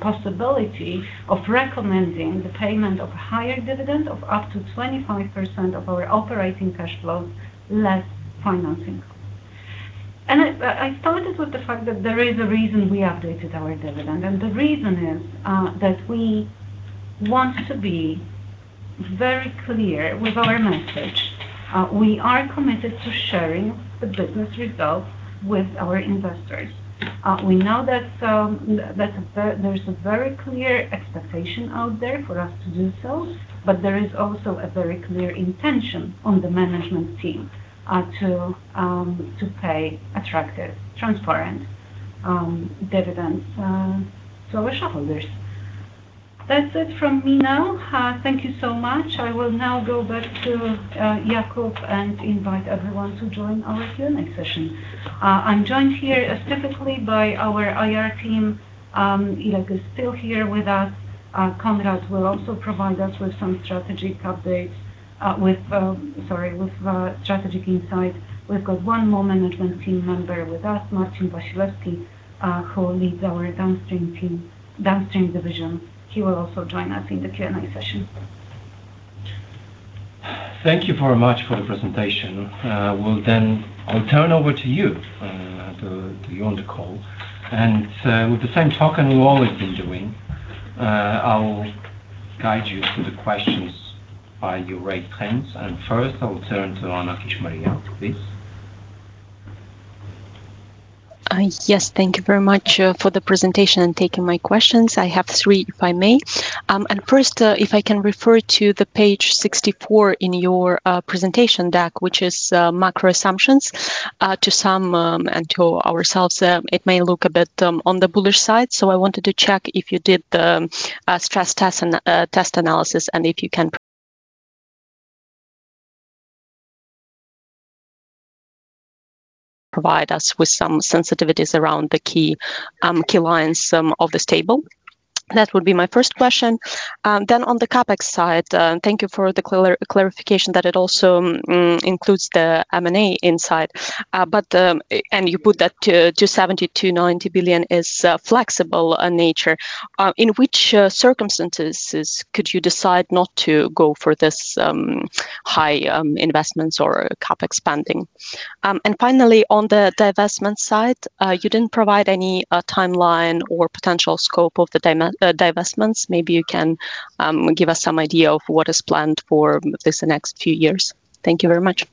possibility of recommending the payment of a higher dividend of up to 25% of our operating cash flows, less financing. And I started with the fact that there is a reason we updated our dividend, and the reason is that we want to be very clear with our message. We are committed to sharing the business results with our investors. We know that there's a very clear expectation out there for us to do so, but there is also a very clear intention on the management team to pay attractive, transparent dividends to our shareholders. That's it from me now. Thank you so much. I will now go back to Jakub and invite everyone to join our Q&A session. I'm joined here technically by our IR team. Ireneusz is still here with us. Konrad will also provide us with some strategic updates with... sorry, with strategic insights. We've got one more management team member with us, Marcin Wasilewski, who leads our Downstream team, Downstream division. He will also join us in the Q&A session. Thank you very much for the presentation. I'll turn over to you on the call. With the same token we've always been doing, I'll guide you through the questions by you raise hands. First, I will turn to Anna Kishmariya, please. Yes, thank you very much for the presentation and taking my questions. I have three, if I may. First, if I can refer to page 64 in your presentation deck, which is macro assumptions. To some and to ourselves, it may look a bit on the bullish side. So I wanted to check if you did the stress test and test analysis, and if you can provide us with some sensitivities around the key lines of this table. That would be my first question. Then on the CapEx side, thank you for the clarification that it also includes the M&A inside. But you put that to 70 billion-90 billion, is flexible nature. In which circumstances could you decide not to go for this high investments or CapEx spending? Finally, on the divestment side, you didn't provide any timeline or potential scope of the divestments. Maybe you can give us some idea of what is planned for this next few years. Thank you very much.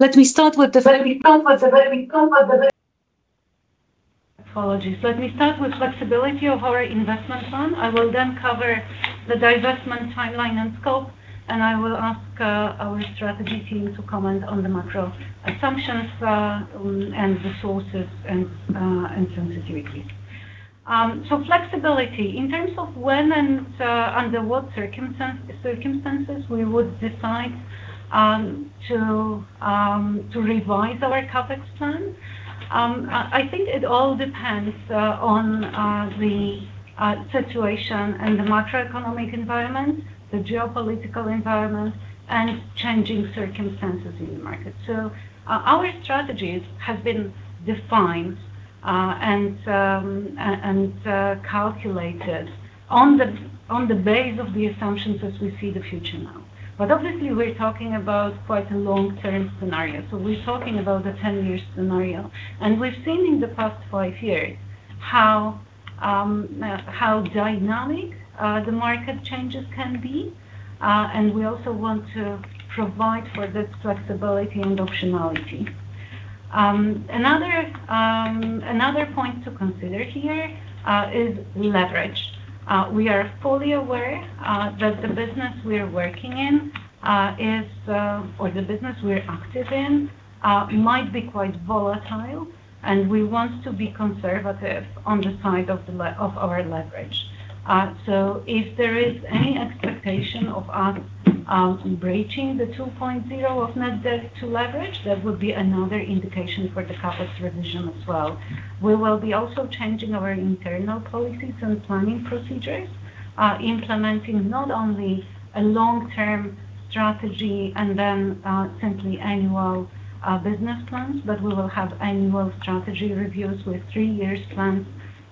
Let me start with... Apologies. Let me start with flexibility of our investment plan. I will then cover the divestment timeline and scope, and I will ask our strategy team to comment on the macro assumptions and the sources and sensitivity. So flexibility. In terms of when and under what circumstances we would decide to revise our CapEx plan, I think it all depends on the situation and the macroeconomic environment, the geopolitical environment, and changing circumstances in the market. So our strategies have been defined and calculated on the basis of the assumptions as we see the future now. But obviously, we're talking about quite a long-term scenario, so we're talking about a 10-year scenario. We've seen in the past five years how dynamic the market changes can be, and we also want to provide for this flexibility and optionality. Another point to consider here is leverage. We are fully aware that the business we're working in is or the business we're active in might be quite volatile, and we want to be conservative on the side of our leverage. If there is any expectation of us breaching the 2.0 of net debt to leverage, that would be another indication for the CapEx revision as well. We will be also changing our internal policies and planning procedures, implementing not only a long-term strategy and then simply annual business plans, but we will have annual strategy reviews with three years plans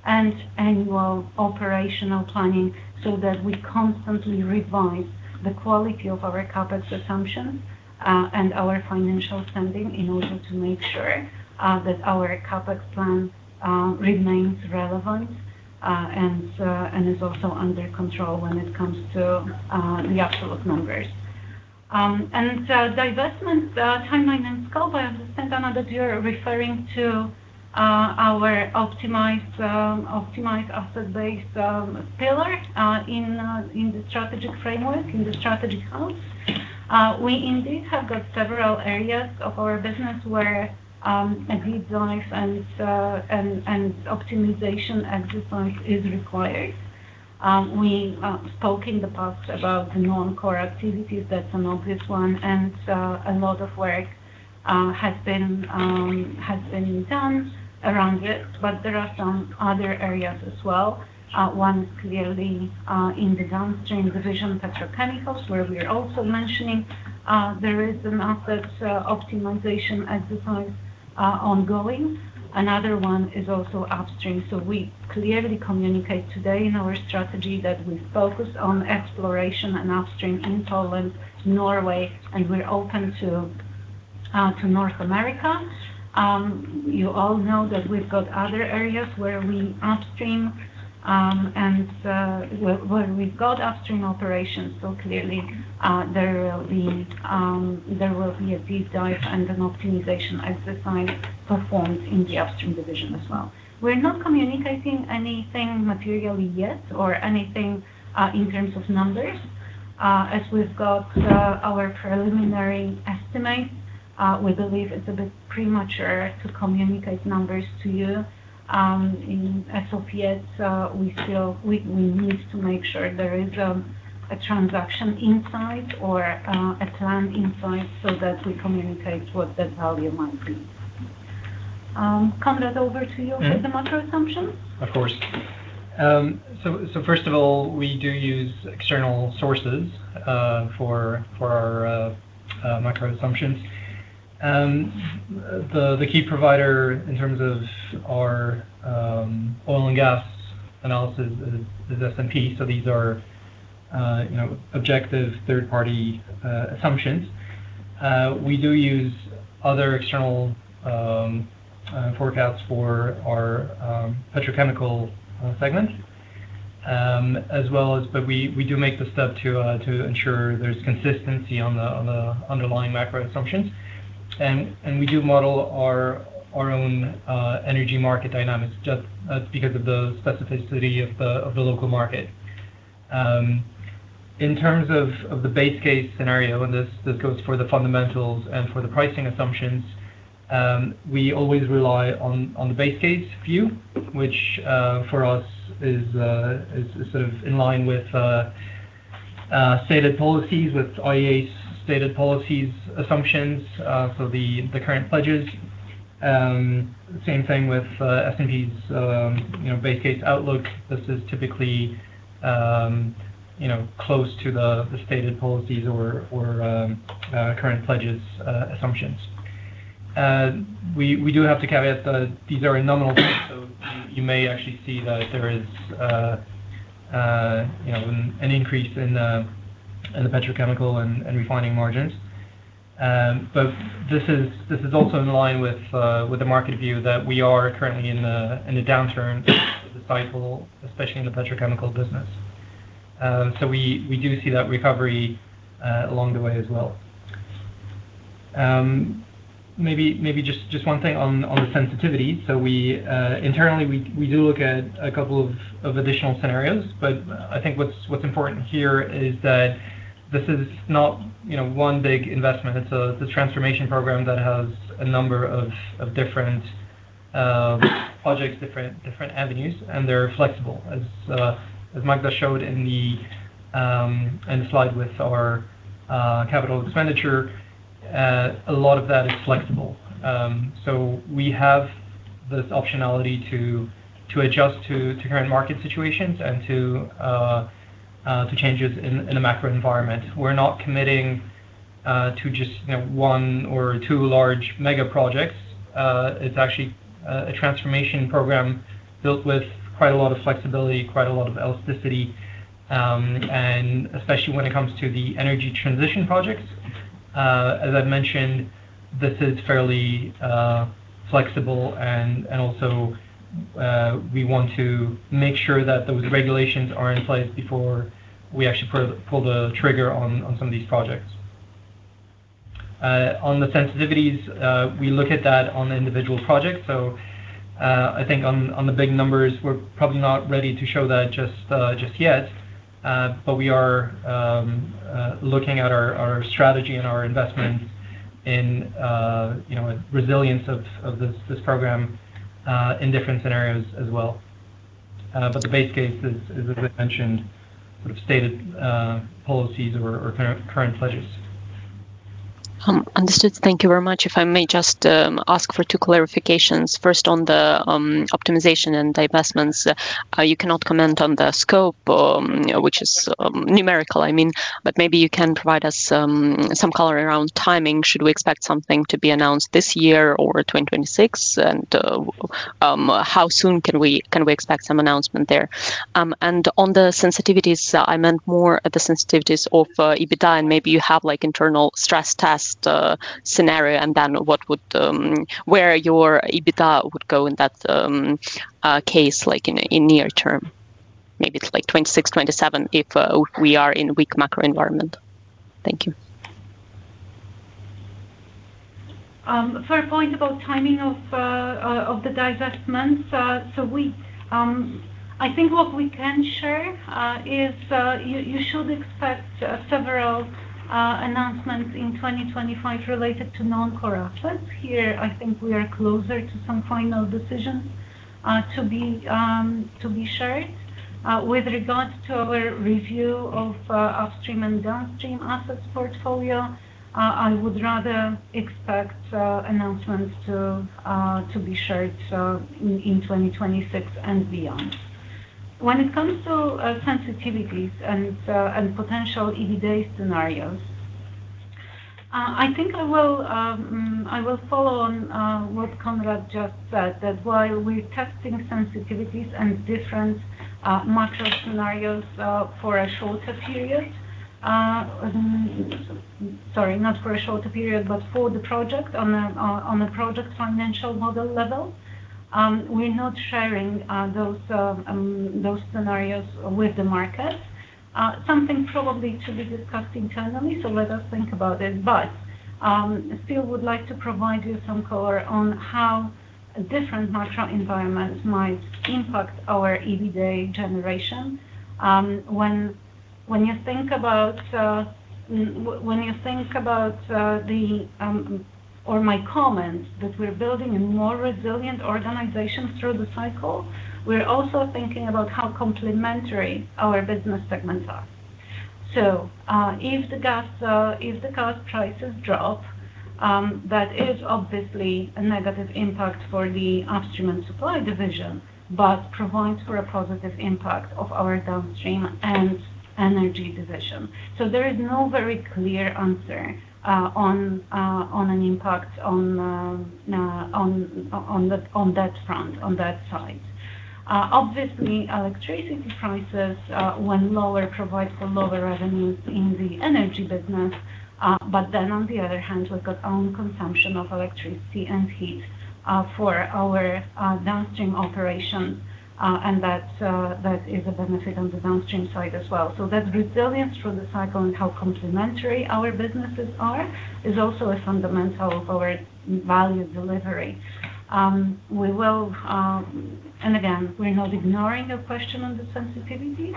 and annual operational planning, so that we constantly revise the quality of our CapEx assumptions and our financial standing, in order to make sure that our CapEx plan remains relevant and is also under control when it comes to the absolute numbers. And divestment timeline and scope, I understand, Anna, that you're referring to our optimized optimized asset-based pillar in the strategic framework, in the strategic house. We indeed have got several areas of our business where a deep dive and optimization exercise is required. We spoke in the past about the non-core activities, that's an obvious one, and a lot of work has been done around it, but there are some other areas as well. One clearly in the Downstream division petrochemicals, where we are also mentioning there is an asset optimization exercise ongoing. Another one is also Upstream. So we clearly communicate today in our strategy that we focus on exploration and upstream in Poland, Norway, and we're open to North America. You all know that we've got other areas where we upstream and where we've got upstream operations, so clearly there will be a deep dive and an optimization exercise performed in the Upstream division as well. We're not communicating anything materially yet or anything in terms of numbers. As we've got our preliminary estimates, we believe it's a bit premature to communicate numbers to you. In SLPS, we feel we need to make sure there is a transaction in sight or a plan in sight so that we communicate what that value might be. Konrad, over to you- Yeah. with the macro assumption. Of course. So first of all, we do use external sources for our macro assumptions. The key provider in terms of our oil and gas analysis is S&P, so these are, you know, objective third-party assumptions. We do use other external forecasts for our Petrochemical segment as well as... But we do make the step to ensure there's consistency on the underlying macro assumptions. We do model our own energy market dynamics, just because of the specificity of the local market. In terms of the base case scenario, and this goes for the fundamentals and for the pricing assumptions, we always rely on the base case view, which for us is sort of in line with stated policies, with IEA's stated policies assumptions, so the current pledges. Same thing with S&P's, you know, base case outlook. This is typically, you know, close to the stated policies or current pledges assumptions. We do have to caveat that these are in nominal, so you may actually see that there is, you know, an increase in the petrochemical and refining margins. But this is also in line with the market view that we are currently in a downturn cycle, especially in the petrochemical business. So we do see that recovery along the way as well. Maybe just one thing on the sensitivity. So we internally do look at a couple of additional scenarios, but I think what's important here is that this is not, you know, one big investment. It's a transformation program that has a number of different projects, different avenues, and they're flexible. As Magda showed in the slide with our capital expenditure, a lot of that is flexible. So we have this optionality to adjust to current market situations and to changes in the macro environment. We're not committing to just, you know, one or two large mega projects. It's actually a transformation program built with quite a lot of flexibility, quite a lot of elasticity, and especially when it comes to the energy transition projects. As I've mentioned, this is fairly flexible and also we want to make sure that those regulations are in place before we actually pull the trigger on some of these projects. On the sensitivities, we look at that on the individual projects, so I think on the big numbers, we're probably not ready to show that just yet. But we are looking at our strategy and our investment in, you know, resilience of this program in different scenarios as well. But the base case is, as I mentioned, sort of stated policies or current pledges. Understood. Thank you very much. If I may just ask for two clarifications. First, on the optimization and divestments, you cannot comment on the scope, which is numerical, I mean, but maybe you can provide us some color around timing. Should we expect something to be announced this year or 2026? And how soon can we, can we expect some announcement there? And on the sensitivities, I meant more at the sensitivities of EBITDA, and maybe you have, like, internal stress test scenario, and then what would where your EBITDA would go in that case, like in, in near term? Maybe it's like 2026, 2027, if we are in weak macro environment. Thank you.... For a point about timing of the divestments, so we, I think what we can share is you should expect several announcements in 2025 related to non-core assets. Here, I think we are closer to some final decisions to be shared. With regards to our review of Upstream and Downstream assets portfolio, I would rather expect announcements to be shared, so in 2026 and beyond. When it comes to sensitivities and potential EBITDA scenarios, I think I will follow on what Konrad just said, that while we're testing sensitivities and different macro scenarios for a shorter period... Sorry, not for a shorter period, but for the project, on a project financial model level, we're not sharing those scenarios with the market. Something probably to be discussed internally, so let us think about it. But I still would like to provide you some color on how a different macro environment might impact our EBITDA generation. When you think about or my comments, that we're building a more resilient organization through the cycle, we're also thinking about how complementary our business segments are. So, if the gas prices drop, that is obviously a negative impact for the Upstream and Supply division, but provides for a positive impact of our Downstream and Energy division. So there is no very clear answer on an impact on the front, on that side. Obviously, electricity prices when lower provides for lower revenues in the energy business, but then on the other hand, we've got own consumption of electricity and heat for our Downstream operations, and that is a benefit on the Downstream side as well. So that resilience through the cycle and how complementary our businesses are is also a fundamental of our value delivery. We will... And again, we're not ignoring the question on the sensitivity.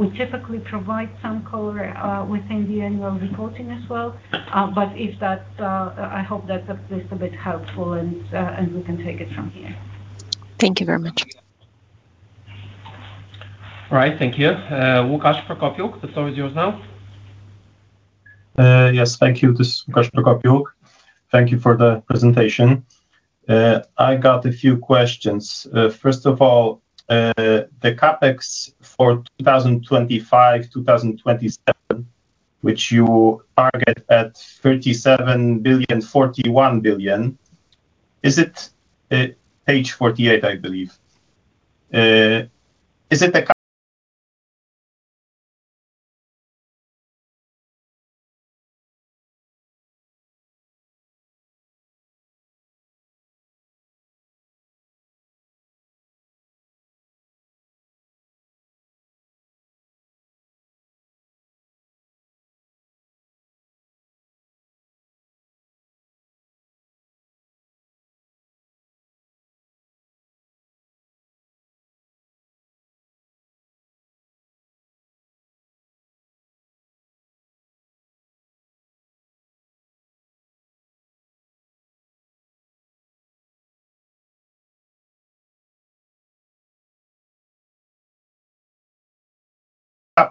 We typically provide some color within the annual reporting as well. But if that I hope that that is a bit helpful, and we can take it from here. Thank you very much. All right. Thank you. Łukasz Prokopiuk, the floor is yours now. Yes, thank you. This is Łukasz Prokopiuk. Thank you for the presentation. I got a few questions. First of all, the CapEx for 2025-2027, which you target at 37 billion-41 billion, is it, page 48, I believe.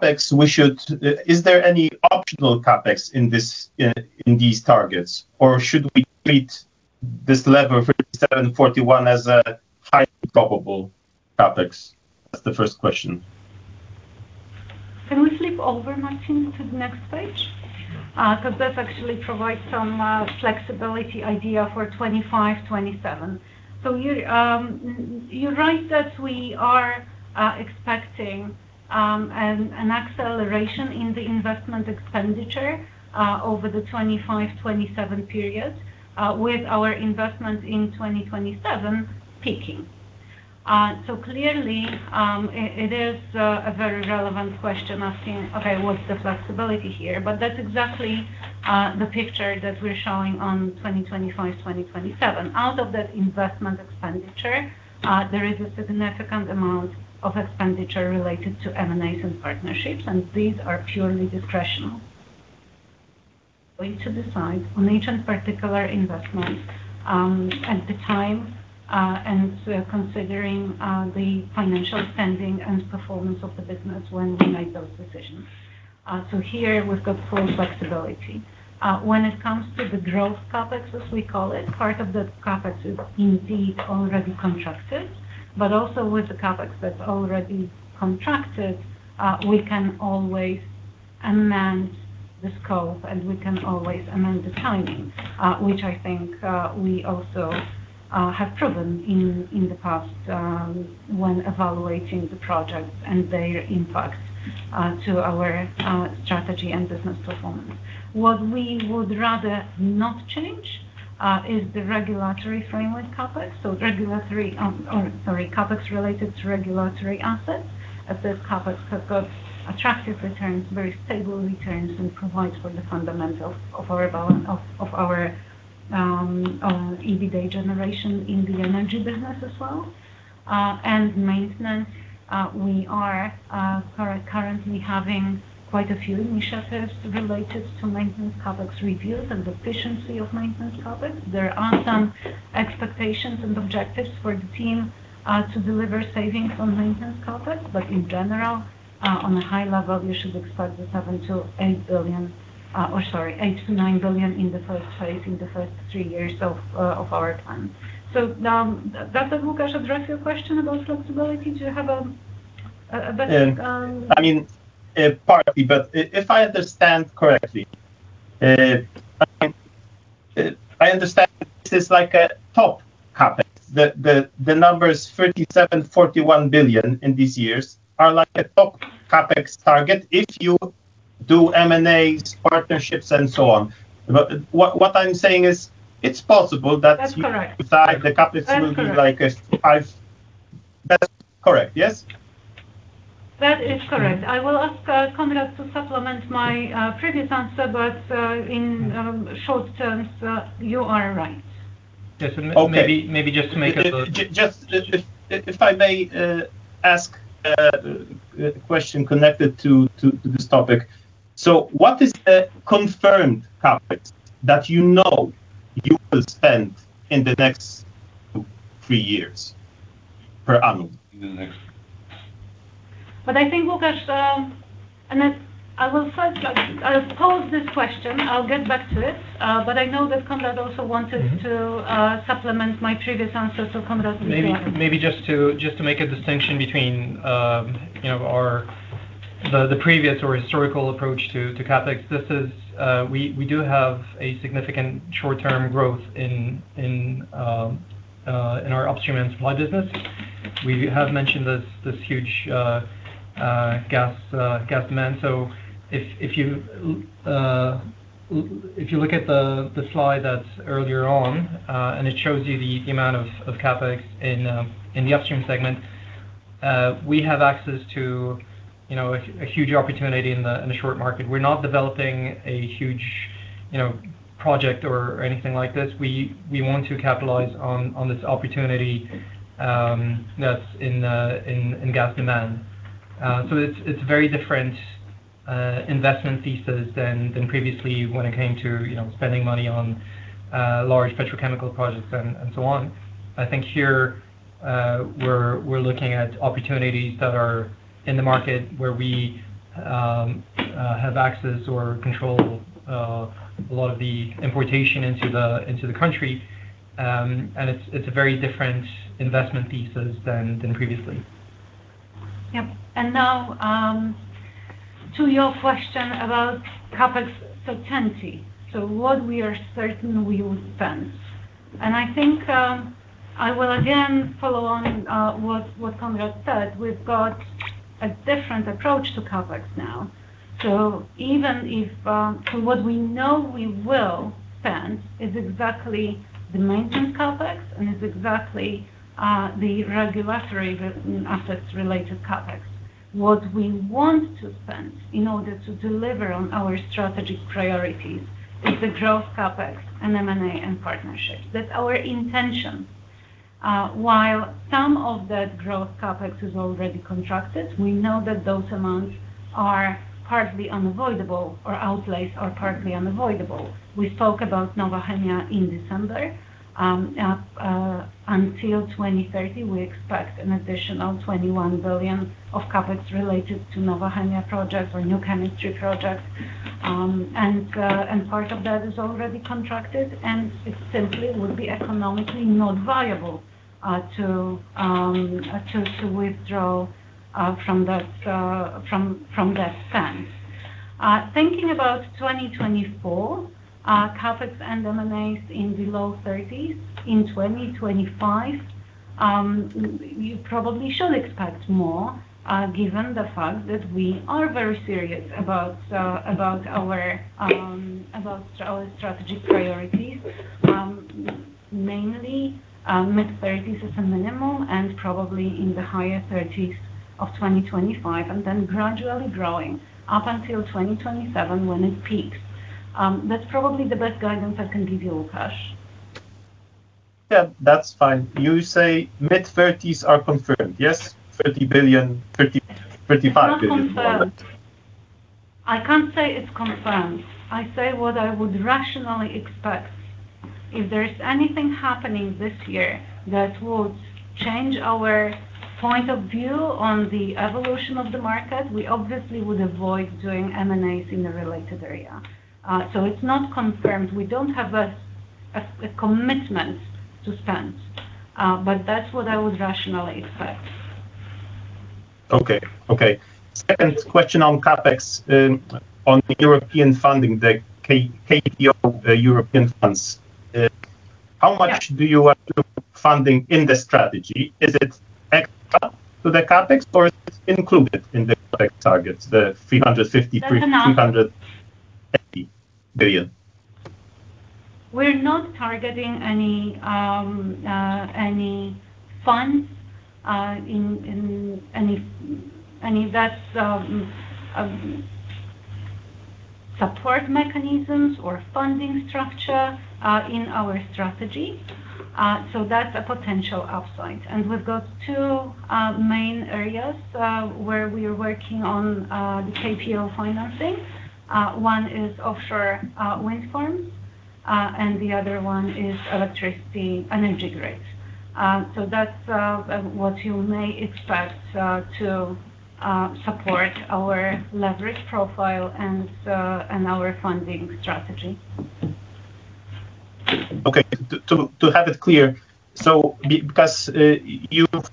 Is it the CapEx we should... Is there any optional CapEx in this, in these targets, or should we treat this level of 37, 41 as a highly probable CapEx? That's the first question. Can we flip over, Martin, to the next page? Because that actually provides some flexibility idea for 25, 27. So you, you're right that we are expecting an acceleration in the investment expenditure over the 25, 27 period with our investment in 2027 peaking. So clearly it is a very relevant question asking, "Okay, what's the flexibility here?" But that's exactly the picture that we're showing on 2025, 2027. Out of that investment expenditure there is a significant amount of expenditure related to M&As and partnerships, and these are purely discretionary. Going to decide on each particular investment at the time and we are considering the financial standing and performance of the business when we make those decisions. So here, we've got full flexibility. When it comes to the growth CapEx, as we call it, part of the CapEx is indeed already contracted, but also with the CapEx that's already contracted, we can always amend the scope, and we can always amend the timing, which I think, we also, have proven in the past, when evaluating the projects and their impact to our strategy and business performance. What we would rather not change is the regulatory framework CapEx. So regulatory, or sorry, CapEx related to regulatory assets, as those CapEx have got attractive returns, very stable returns, and provides for the fundamentals of our EBITDA generation in the energy business as well. And maintenance, we are currently having quite a few initiatives related to maintenance CapEx reviews and efficiency of maintenance CapEx. There are some expectations and objectives for the team, to deliver savings on maintenance CapEx, but in general, on a high level, you should expect 7 billion-8 billion, or sorry, 8 billion-9 billion in the first phase, in the first three years of our plan. So now, does that, Łukasz, address your question about flexibility? Do you have a better think on- I mean, partly, but if I understand correctly, I understand this is like a top CapEx. The numbers 37 billion-41 billion in these years are like a top CapEx target if you do M&As, partnerships, and so on. But what I'm saying is, it's possible that- That's correct The CapEx will be like a five... That's correct. That's correct, yes? That is correct. I will ask Konrad to supplement my previous answer, but in short terms, you are right. Yes, and may- Okay. Maybe just to make a little- Just if I may ask a question connected to this topic. So what is the confirmed CapEx that you know you will spend in the next two-three years, per annum? But I think, Łukasz, and I will first, I'll pause this question. I'll get back to it. But I know that Konrad also wanted- Mm-hmm... to supplement my previous answer. So, Konrad, please go on. Maybe just to make a distinction between, you know, our the previous or historical approach to CapEx, this is we do have a significant short-term growth in our Upstream and Supply business. We have mentioned this huge gas demand. So if you look at the slide that's earlier on and it shows you the amount of CapEx in the Upstream segment, we have access to, you know, a huge opportunity in the spot market. We're not developing a huge, you know, project or anything like this. We want to capitalize on this opportunity that's in gas demand. So it's very different investment thesis than previously when it came to, you know, spending money on large petrochemical projects and so on. I think here we're looking at opportunities that are in the market where we have access or control a lot of the importation into the country. And it's a very different investment thesis than previously. Yep. And now, to your question about CapEx certainty, so what we are certain we will spend. I think, I will again follow on, what Konrad said. We've got a different approach to CapEx now. So even if, so what we know we will spend is exactly the maintenance CapEx, and it's exactly, the regulatory assets related CapEx. What we want to spend in order to deliver on our strategic priorities is the growth CapEx, and M&A, and partnerships. That's our intention. While some of that growth CapEx is already contracted, we know that those amounts are partly unavoidable, or outlays are partly unavoidable. We spoke about Nowa Chemia in December. Until 2030, we expect an additional 21 billion of CapEx related to Nowa Chemia projects or New Chemistry projects. And part of that is already contracted, and it simply would be economically not viable to withdraw from that spend. Thinking about 2024, CapEx and M&As in the low 30s. In 2025, you probably should expect more, given the fact that we are very serious about our strategic priorities. Mainly, mid-30s is a minimum and probably in the higher 30s of 2025, and then gradually growing up until 2027, when it peaks. That's probably the best guidance I can give you, Łukasz. Yeah, that's fine. You say mid-30s are confirmed, yes? 30 billion, 30, 35 billion. It's not confirmed. I can't say it's confirmed. I say what I would rationally expect. If there is anything happening this year that would change our point of view on the evolution of the market, we obviously would avoid doing M&As in the related area. So it's not confirmed. We don't have a commitment to spend, but that's what I would rationally expect. Okay. Okay. Second question on CapEx, on the European funding, the KPO, European funds. How much- Yeah... do you want funding in the strategy? Is it extra to the CapEx, or is it included in the CapEx targets, the 350 billion- That's a-... 300 billion? We're not targeting any funds in any support mechanisms or funding structure in our strategy. So that's a potential upside. We've got two main areas where we are working on the KPO financing. One is offshore wind farms, and the other one is electricity energy grids. So that's what you may expect to support our leverage profile and our funding strategy. Okay. To have it clear, so because, you've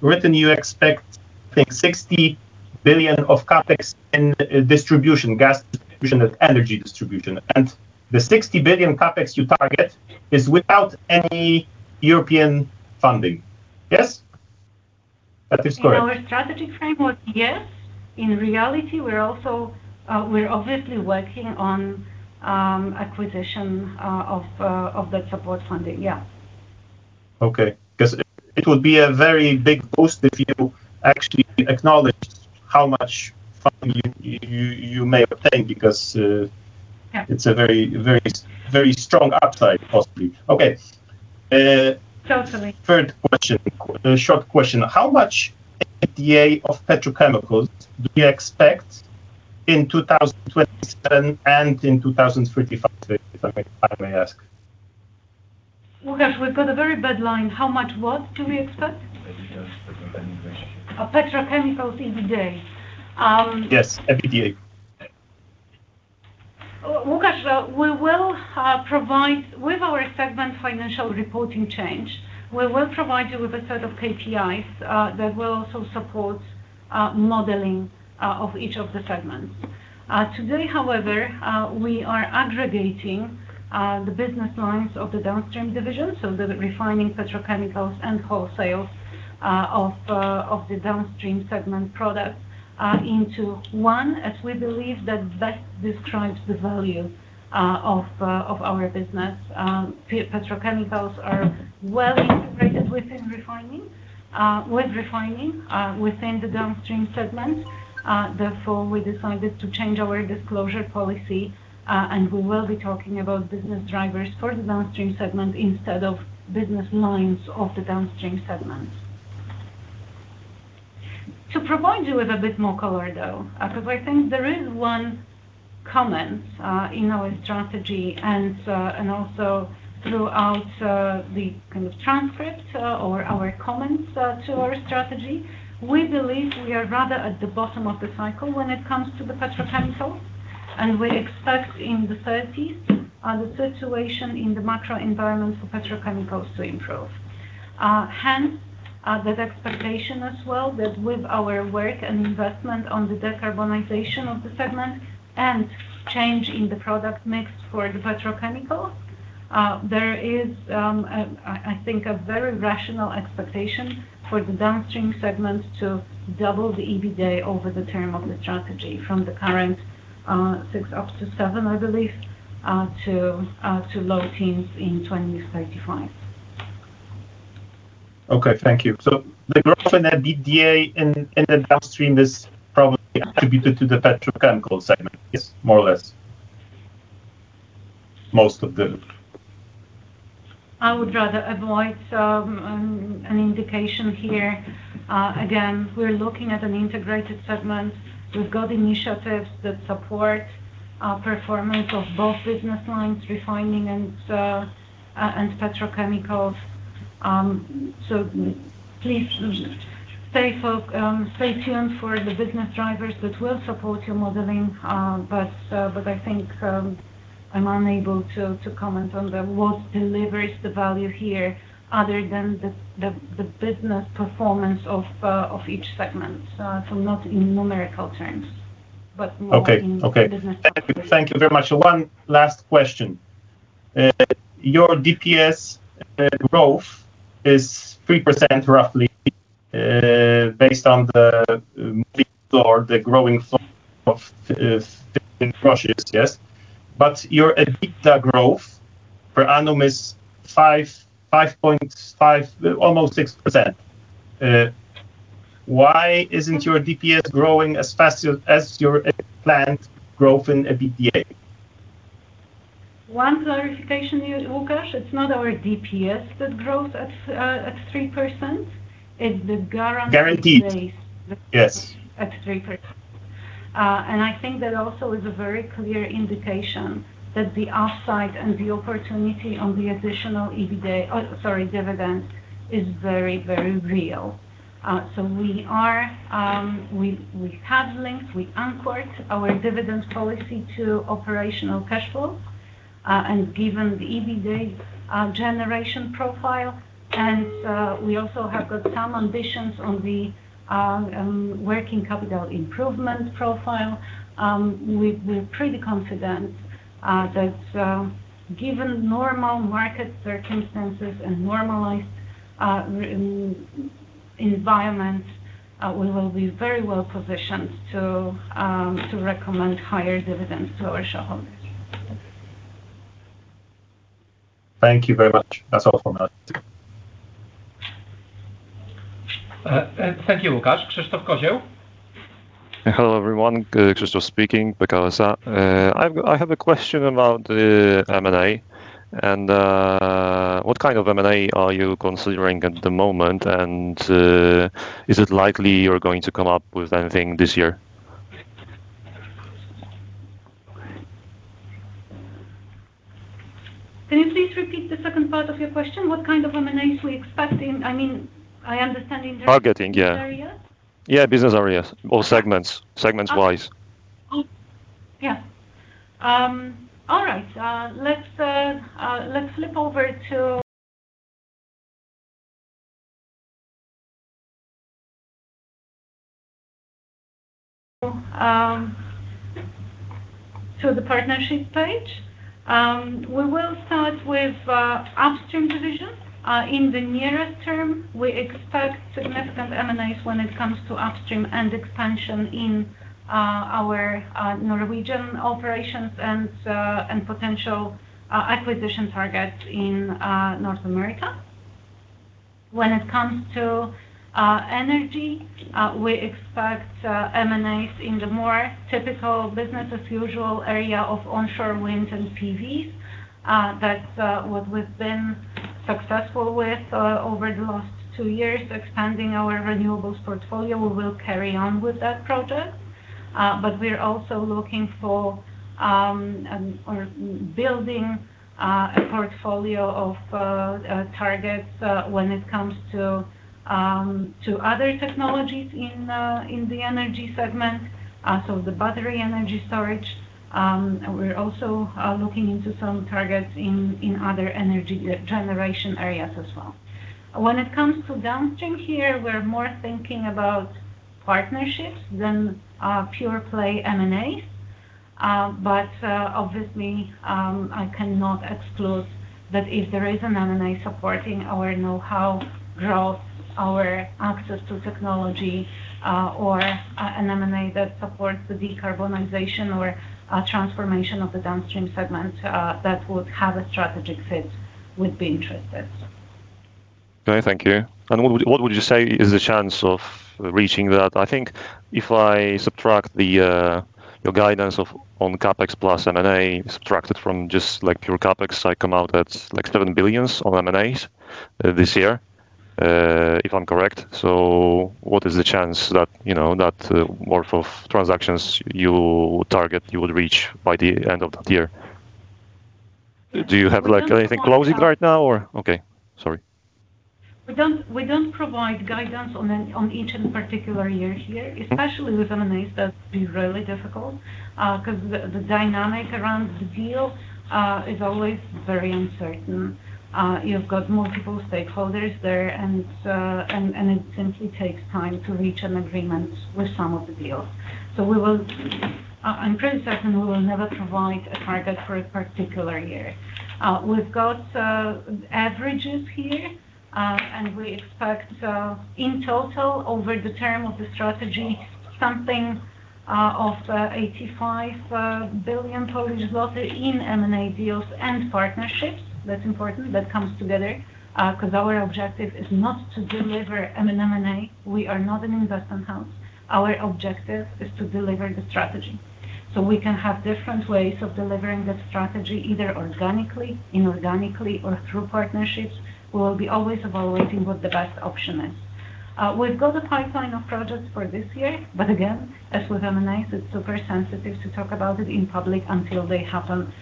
written you expect, I think, 60 billion of CapEx in distribution, gas distribution and energy distribution. And the 60 billion CapEx you target is without any European funding. Yes? That is correct. In our strategy framework, yes. In reality, we're also obviously working on acquisition of that support funding. Yeah. Okay. Because it would be a very big boost if you actually acknowledged how much funding you may obtain, because- Yeah... it's a very, very, very strong upside, possibly. Okay, Totally. Third question, short question. How much EBITDA of petrochemicals do you expect in 2027 and in 2035, if I may ask? Łukasz, we've got a very bad line. How much what do we expect? EBITDA of petrochemical. Petrochemicals, EBITDA. Yes, EBITDA. Łukasz, we will provide. With our segment financial reporting change, we will provide you with a set of KPIs that will also support modeling of each of the segments. Today, however, we are aggregating the business lines of the Downstream division, so the refining, petrochemicals and wholesale of the Downstream segment product into one, as we believe that that describes the value of our business. Petrochemicals are well integrated within refining with refining within the Downstream segment. Therefore, we decided to change our disclosure policy, and we will be talking about business drivers for the Downstream segment instead of business lines of the Downstream segment. To provide you with a bit more color, though, because I think there is one comment in our strategy, and also throughout the kind of transcript or our comments to our strategy. We believe we are rather at the bottom of the cycle when it comes to the petrochemical, and we expect in the 2030s the situation in the macro environment for petrochemicals to improve. Hence, that expectation as well, that with our work and investment on the decarbonization of the segment and change in the product mix for the petrochemical, there is, I think, a very rational expectation for the Downstream segment to double the EBITDA over the term of the strategy, from the current six-seven, I believe, to low teens in 2035. Okay, thank you. So the growth in EBITDA in the Downstream is probably attributed to the Petrochemical segment, yes, more or less? Most of the- I would rather avoid an indication here. Again, we're looking at an integrated segment. We've got initiatives that support performance of both business lines, refining and and petrochemicals. So please stay tuned for the business drivers that will support your modeling. But, but I think, I'm unable to, to comment on the what delivers the value here, other than the, the, the business performance of, of each segment. So not in numerical terms, but more in- Okay. Okay. Business terms. Thank you. Thank you very much. One last question. Your DPS growth is 3%, roughly, based on the, or the growing form of, increases. Yes? But your EBITDA growth per annum is 5%, 5.5%, almost 6%. Why isn't your DPS growing as fast as your planned growth in EBITDA? One clarification, Łukasz, it's not our DPS that grows at 3%, it's the guaranteed EPS- Guaranteed. Yes. At 3%. And I think that also is a very clear indication that the upside and the opportunity on the additional EBITDA, sorry, dividend, is very, very real. So we are, we have links. We anchor it, our dividend policy, to operational cash flow. And given the EBITDA generation profile, and we also have got some ambitions on the working capital improvement profile, we're pretty confident, that, given normal market circumstances and normalized environment, we will be very well positioned to recommend higher dividends to our shareholders. Thank you very much. That's all for now. Take care.... thank you, Łukasz. Krzysztof Kozieł? Hello, everyone. Krzysztof speaking, Pekao S.A. I have a question about the M&A, and what kind of M&A are you considering at the moment? Is it likely you're going to come up with anything this year? Can you please repeat the second part of your question? What kind of M&As we expect in... I mean, I understand in the- Targeting, yeah. Business areas? Yeah, business areas or segments. Segments-wise. Yeah. All right, let's flip over to the partnership page. We will start with Upstream division. In the nearest term, we expect significant M&As when it comes to upstream and expansion in our Norwegian operations and potential acquisition targets in North America. When it comes to energy, we expect M&As in the more typical business as usual area of onshore wind and PVs. That's what we've been successful with over the last two years, expanding our renewables portfolio. We will carry on with that project, but we're also looking for or building a portfolio of targets when it comes to other technologies in the Energy segment. So the battery energy storage, we're also looking into some targets in other energy generation areas as well. When it comes to downstream here, we're more thinking about partnerships than pure play M&A. But obviously, I cannot exclude that if there is an M&A supporting our know-how growth, our access to technology, or an M&A that supports the decarbonization or transformation of the Downstream segment, that would have a strategic fit, we'd be interested. Okay, thank you. What would, what would you say is the chance of reaching that? I think if I subtract the, your guidance of, on CapEx plus M&A, subtract it from just, like, pure CapEx, I come out at, like, 7 billion on M&As, this year, if I'm correct. What is the chance that, you know, that worth of transactions you target, you will reach by the end of the year? Do you have, like, anything closing right now or- We don't provide- Okay. Sorry. We don't provide guidance on each particular year here. Okay. Especially with M&As, that's been really difficult, 'cause the dynamic around the deal is always very uncertain. You've got multiple stakeholders there, and it simply takes time to reach an agreement with some of the deals. So we will. I'm pretty certain we will never provide a target for a particular year. We've got averages here, and we expect, in total, over the term of the strategy, something of 85 billion Polish zloty in M&A deals and partnerships. That's important. That comes together, 'cause our objective is not to deliver an M&A. We are not an investment house. Our objective is to deliver the strategy. So we can have different ways of delivering that strategy, either organically, inorganically, or through partnerships. We will be always evaluating what the best option is. We've got a pipeline of projects for this year, but again, as with M&As, it's super sensitive to talk about it in public until they happen.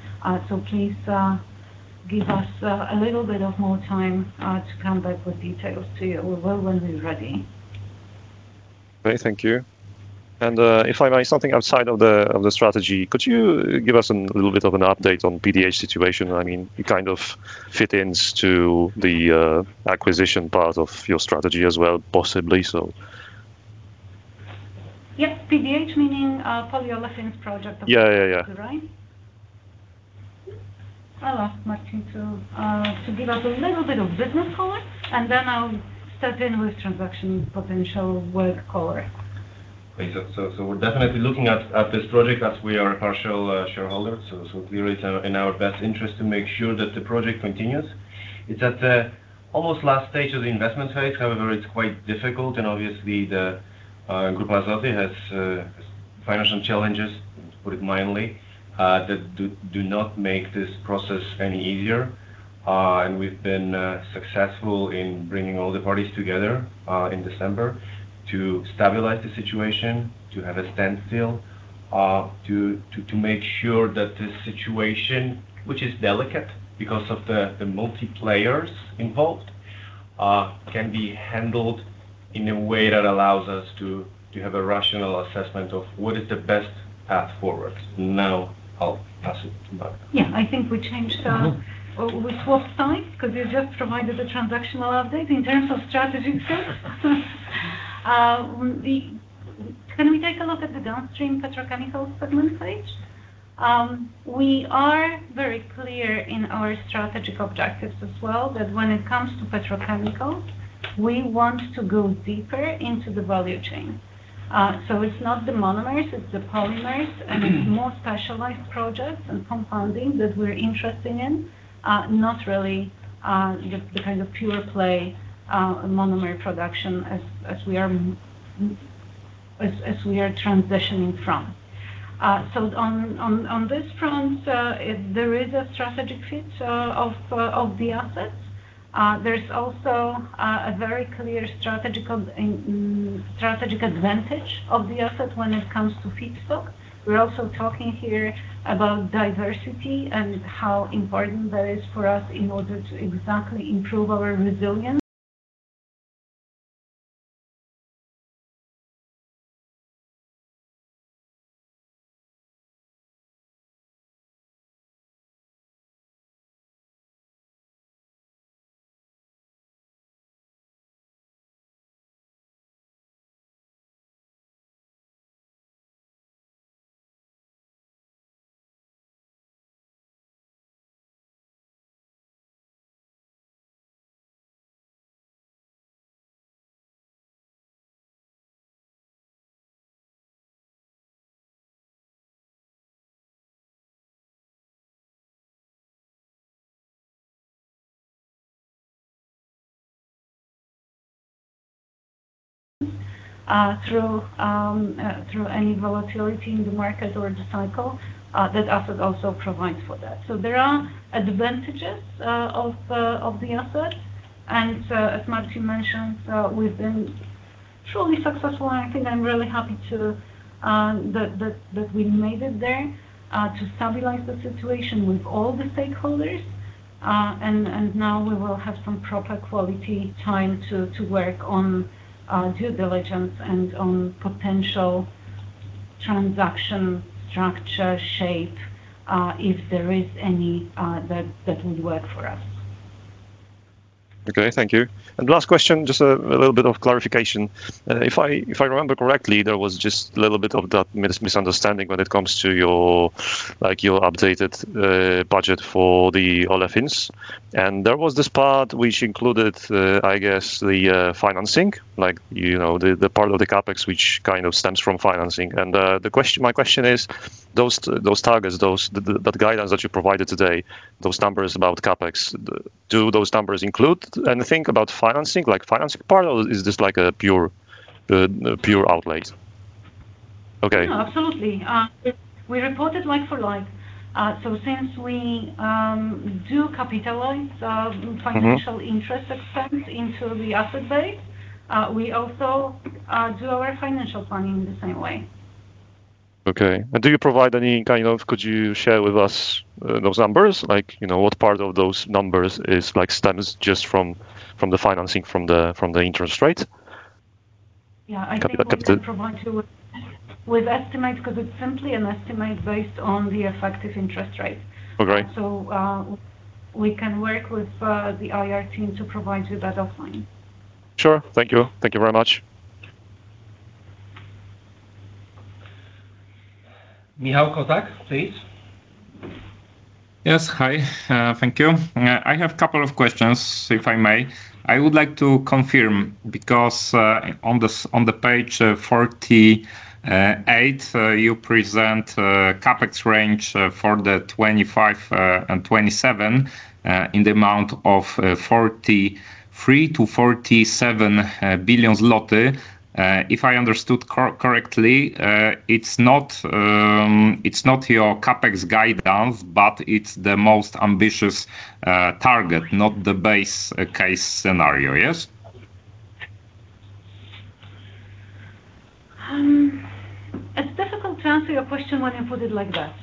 So please, give us a little bit more time to come back with details to you. We will when we're ready. Great, thank you. And, if I may, something outside of the strategy, could you give us a little bit of an update on PDH situation? I mean, it kind of fit into the acquisition part of your strategy as well, possibly so. Yeah. PDH, meaning, polyolefins project of- Yeah, yeah, yeah. Right? I'll ask Marcin to, to give us a little bit of business color, and then I'll step in with transaction potential work color. Okay. So, we're definitely looking at this project, as we are a partial shareholder. So, we are in our best interest to make sure that the project continues. It's at almost the last stage of the investment phase. However, it's quite difficult, and obviously, Grupa Azoty has financial challenges, to put it mildly, that do not make this process any easier. And we've been successful in bringing all the parties together in December, to stabilize the situation, to have a standstill, to make sure that the situation, which is delicate because of the multiple players involved, can be handled in a way that allows us to have a rational assessment of what is the best path forward. Now, I'll pass it to Magda. Yeah, I think we changed, we swapped sides 'cause you just provided the transactional update in terms of strategic focus. Can we take a look at the Downstream Petrochemical segment page? We are very clear in our strategic objectives as well, that when it comes to petrochemicals, we want to go deeper into the value chain. So it's not the monomers, it's the polymers, and it's more specialized projects and compounding that we're interested in, not really the kind of pure play monomer production as we are transitioning from. So on this front, if there is a strategic fit of the assets, there's also a very clear strategical and strategic advantage of the asset when it comes to feedstock. We're also talking here about diversity and how important that is for us in order to exactly improve our resilience through any volatility in the market or the cycle that asset also provides for that. So there are advantages of the assets. And as Marcin mentioned, we've been truly successful, and I think I'm really happy that we made it there to stabilize the situation with all the stakeholders. And now we will have some proper quality time to work on due diligence and on potential transaction structure shape if there is any that would work for us. Okay, thank you. And last question, just a little bit of clarification. If I remember correctly, there was just a little bit of that misunderstanding when it comes to your, like, your updated budget for the Olefins. And there was this part which included, I guess, the financing, like, you know, the part of the CapEx, which kind of stems from financing. And the question... my question is, those targets, that guidance that you provided today, those numbers about CapEx, do those numbers include anything about financing, like financing part, or is this like a pure outlays? Okay. No, absolutely. We reported like for like. So since we do capitalize. Mm-hmm. - financial interest expense into the asset base, we also do our financial planning in the same way. Okay. Do you provide any kind of... Could you share with us those numbers? Like, you know, what part of those numbers is, like, stems just from, from the financing, from the, from the interest rate? Yeah, I think- Uh, the- - We can provide you with estimates, because it's simply an estimate based on the effective interest rate. Okay. So, we can work with the IR team to provide you that offline. Sure. Thank you. Thank you very much. Michał Kozak, please. Yes. Hi, thank you. I have a couple of questions, if I may. I would like to confirm, because, on the, on the page, 48, you present a CapEx range, for the 25, and 27, in the amount of, 43 billion-47 billion zloty. If I understood correctly, it's not, it's not your CapEx guidance, but it's the most ambitious, target, not the base, case scenario, yes? It's difficult to answer your question when you put it like that.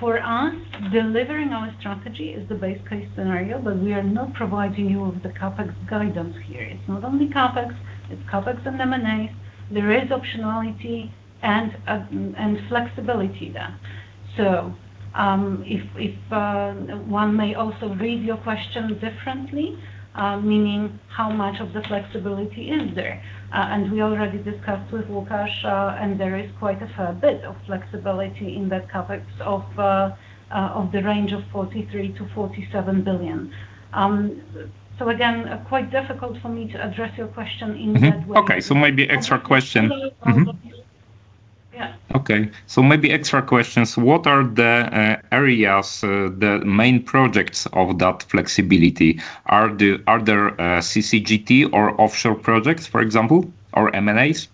For us, delivering our strategy is the base case scenario, but we are not providing you with the CapEx guidance here. It's not only CapEx, it's CapEx and M&A. There is optionality and flexibility there. So, if one may also read your question differently, meaning how much of the flexibility is there? And we already discussed with Łukasz, and there is quite a fair bit of flexibility in that CapEx of the range of 43 billion-47 billion. So again, quite difficult for me to address your question in that way. Mm-hmm. Okay, so maybe extra question. Yeah. Okay. So maybe extra questions. What are the areas, the main projects of that flexibility? Are there CCGT or offshore projects, for example, or M&As?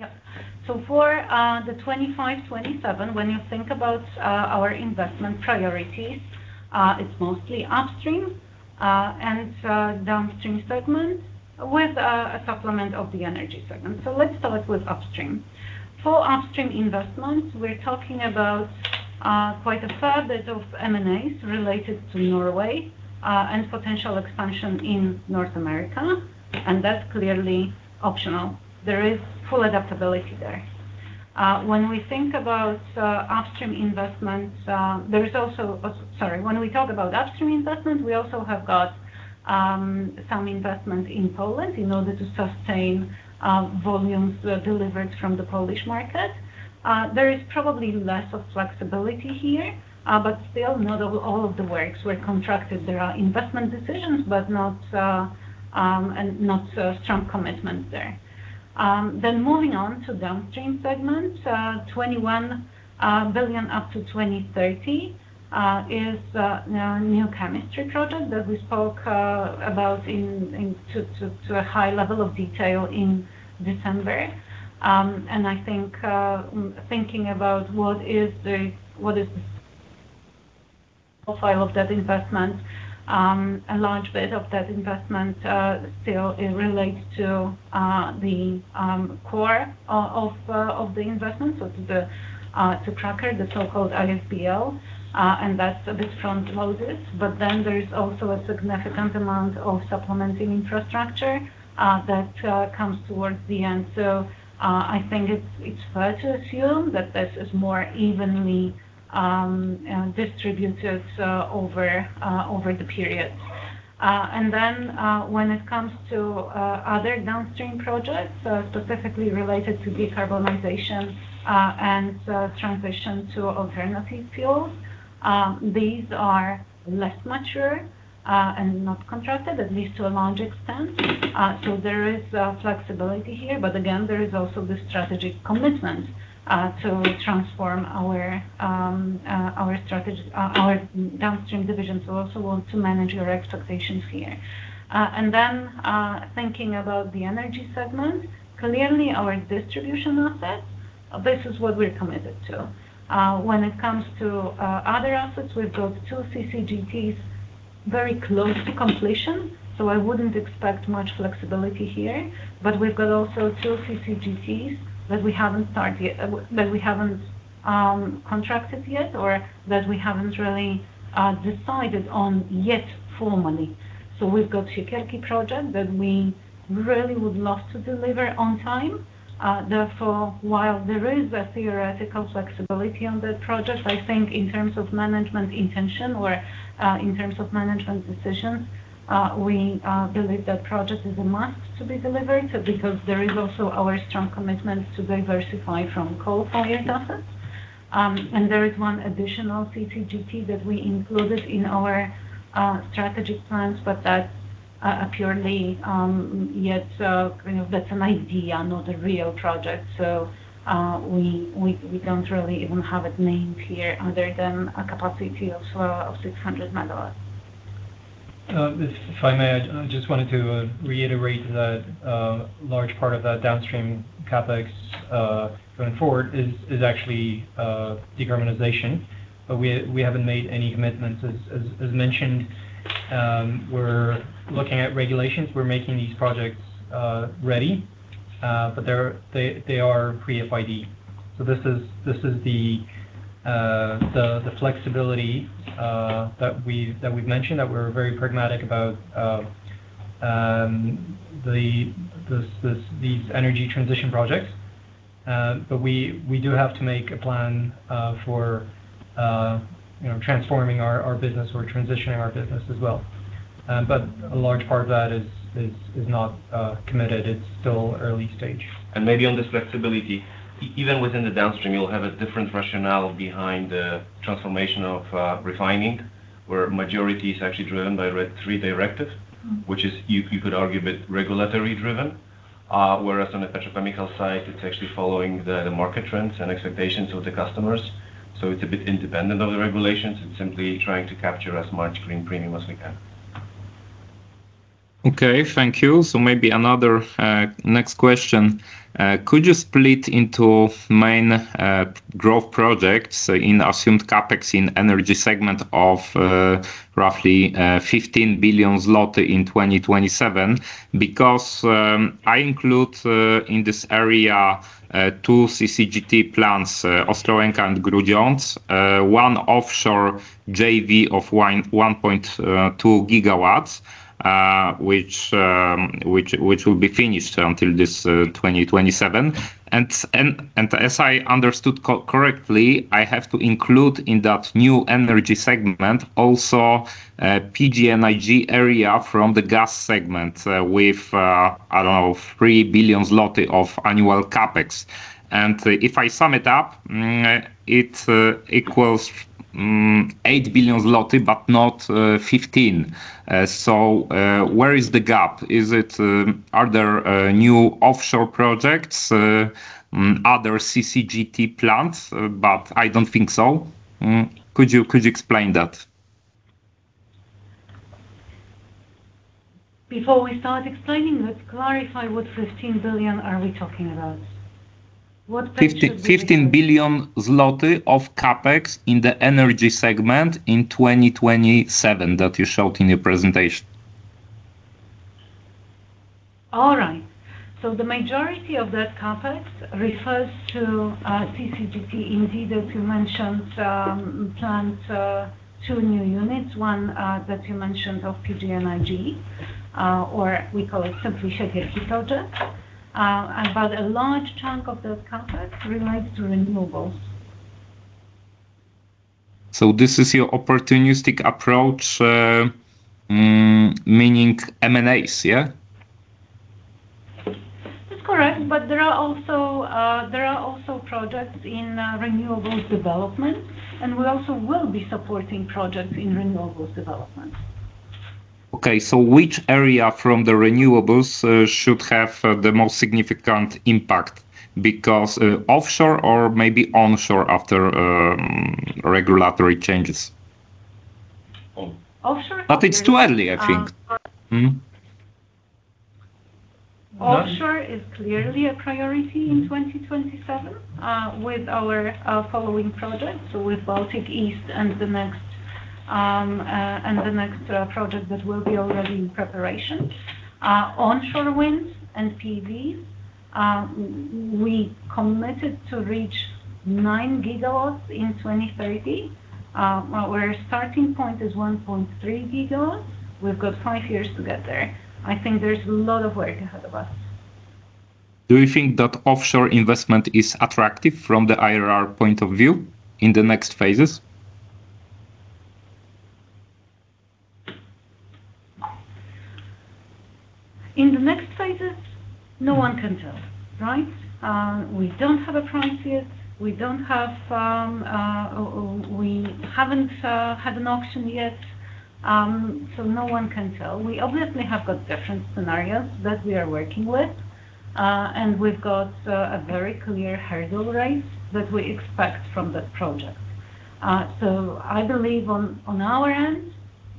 Yeah. So for the 2025, 2027, when you think about our investment priorities, it's mostly Upstream and Downstream segment with a supplement of the Energy segment. So let's start with Upstream. For Upstream investments, we're talking about quite a fair bit of M&As related to Norway and potential expansion in North America, and that's clearly optional. There is full adaptability there. When we think about Upstream investments, there is also... Sorry, when we talk about Upstream investments, we also have got some investments in Poland in order to sustain volumes delivered from the Polish market. There is probably less of flexibility here, but still not all of the works were contracted. There are investment decisions, but not strong commitment there.... Then moving on to Downstream segment, 21 billion up to 2030 is new chemistry project that we spoke about into a high level of detail in December. And I think, thinking about what is the profile of that investment, a large bit of that investment still relates to the core of the investment. So to the cracker, the so-called ISBL, and that's a bit front-loaded. But then there is also a significant amount of supplementing infrastructure that comes towards the end. So, I think it's fair to assume that this is more evenly distributed over the period. And then, when it comes to other Downstream projects, specifically related to decarbonization, and transition to alternative fuels, these are less mature, and not contracted, at least to a large extent. So there is flexibility here, but again, there is also the strategic commitment to transform our Downstream division. So also want to manage your expectations here. And then, thinking about the Energy segment clearly our distribution assets, this is what we're committed to. When it comes to other assets, we've got two CCGTs very close to completion, so I wouldn't expect much flexibility here. But we've got also two CCGTs that we haven't started yet, that we haven't contracted yet, or that we haven't really decided on yet formally. So we've got Siekierki project that we really would love to deliver on time. Therefore, while there is a theoretical flexibility on that project, I think in terms of management intention or, in terms of management decisions, we believe that project is a must to be delivered, so because there is also our strong commitment to diversify from coal-fired assets. And there is one additional CCGT that we included in our strategic plans, but that's a purely yet, you know, that's an idea, not a real project. So, we don't really even have it named here other than a capacity of 600 MW. If I may, I just wanted to reiterate that large part of that Downstream CapEx going forward is actually decarbonization. But we haven't made any commitments. As mentioned, we're looking at regulations. We're making these projects ready, but they're pre-FID. So this is the flexibility that we've mentioned, that we're very pragmatic about these energy transition projects. But we do have to make a plan for you know, transforming our business or transitioning our business as well. But a large part of that is not committed. It's still early stage. Maybe on this flexibility, even within the Downstream, you'll have a different rationale behind the transformation of refining, where majority is actually driven by RED III directives, which you could argue is a bit regulatory-driven. Whereas on the petrochemical side, it's actually following the market trends and expectations of the customers. So it's a bit independent of the regulations and simply trying to capture as much green premium as we can. Okay, thank you. So maybe another next question. Could you split into main growth projects in assumed CapEx in Energy segment of roughly 15 billion zloty in 2027? Because I include in this area two CCGT plants, Ostrołęka and Grudziądz, one offshore JV of 1.1 GW, which will be finished until this 2027. And as I understood correctly, I have to include in that new Energy segment also PGNiG area from the Gas segment with I don't know 3 billion zloty of annual CapEx. And if I sum it up, it equals 8 billion zloty, but not 15 billion. So where is the gap? Is it, are there new offshore projects, other CCGT plants? But I don't think so. Could you explain that? Before we start explaining that, clarify what 15 billion are we talking about? What page should we- 15 billion zloty of CapEx in the Energy segment in 2027, that you showed in your presentation. All right. So the majority of that CapEx refers to CCGT. Indeed, as you mentioned, plants, two new units, one that you mentioned of PGNiG, or we call it simply Siekierki project. And but a large chunk of those CapEx relates to renewables. This is your opportunistic approach, meaning M&As, yeah? That's correct. But there are also, there are also projects in, renewables development, and we also will be supporting projects in renewables development. ... Okay, so which area from the renewables should have the most significant impact? Because offshore or maybe onshore after regulatory changes. Offshore- It's too early, I think. Mm-hmm. Offshore is clearly a priority in 2027, with our following projects, so with Baltic East and the next, and the next project that will be already in preparation. Onshore wind and PV, we committed to reach 9 GW in 2030. Our starting point is 1.3 GW. We've got five years to get there. I think there's a lot of work ahead of us. Do you think that offshore investment is attractive from the IRR point of view in the next phases? In the next phases? No one can tell, right? We don't have a price yet. We don't have, we haven't had an auction yet, so no one can tell. We obviously have got different scenarios that we are working with, and we've got a very clear hurdle rate that we expect from that project. So I believe on, on our end,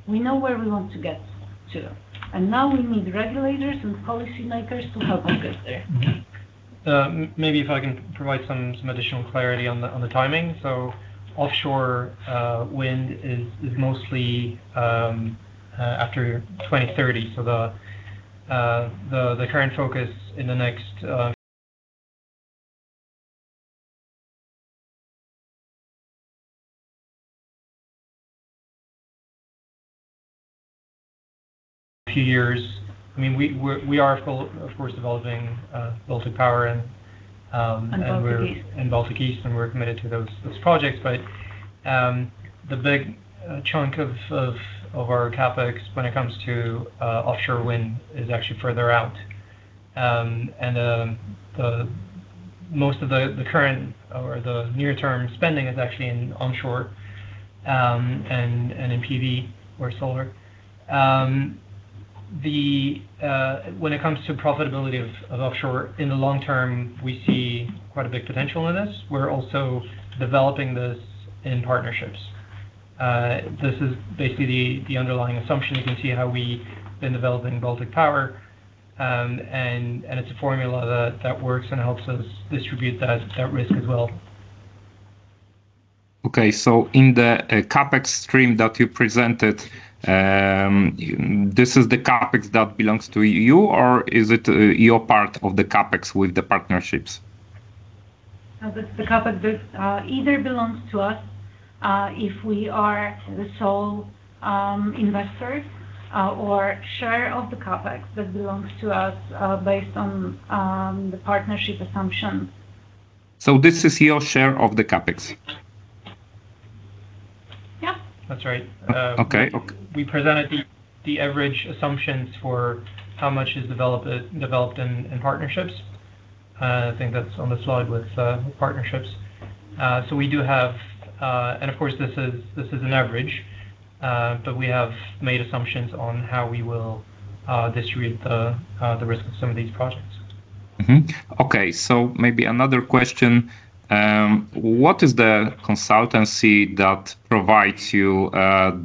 we know where we want to get to, and now we need regulators and policymakers to help us get there. Mm-hmm. Maybe if I can provide some additional clarity on the timing. So offshore wind is mostly after 2030. So the current focus in the next few years... I mean, we are of course developing Baltic Power and Baltic East. And Baltic East, and we're committed to those projects. But the big chunk of our CapEx when it comes to offshore wind is actually further out. And most of the current or the near-term spending is actually in onshore and in PV or solar. When it comes to profitability of offshore in the long term, we see quite a big potential in this. We're also developing this in partnerships. This is basically the underlying assumption. You can see how we've been developing Baltic Power, and it's a formula that works and helps us distribute that risk as well. Okay, so in the CapEx stream that you presented, this is the CapEx that belongs to you, or is it your part of the CapEx with the partnerships? No, the CapEx either belongs to us if we are the sole investor or share of the CapEx that belongs to us based on the partnership assumptions. So this is your share of the CapEx? Yeah. That's right. Okay. We presented the average assumptions for how much is developed in partnerships. I think that's on the slide with partnerships. So we do have. And of course, this is an average, but we have made assumptions on how we will distribute the risk of some of these projects. Mm-hmm. Okay, so maybe another question. What is the consultancy that provides you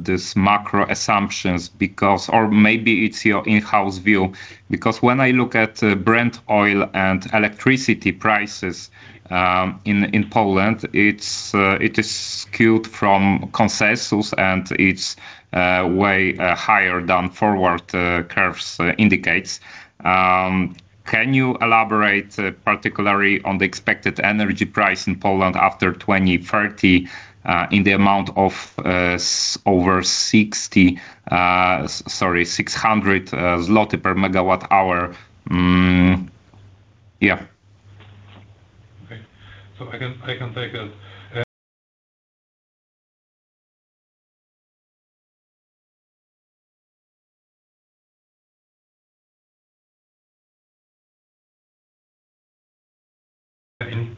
this macro assumptions? Because... Or maybe it's your in-house view. Because when I look at Brent oil and electricity prices in Poland, it is skewed from consensus, and it's way higher than forward curves indicates. Can you elaborate particularly on the expected energy price in Poland after 2030 in the amount of over 60, sorry, 600 zloty per MW? Mm. Yeah. Okay. So I can take it.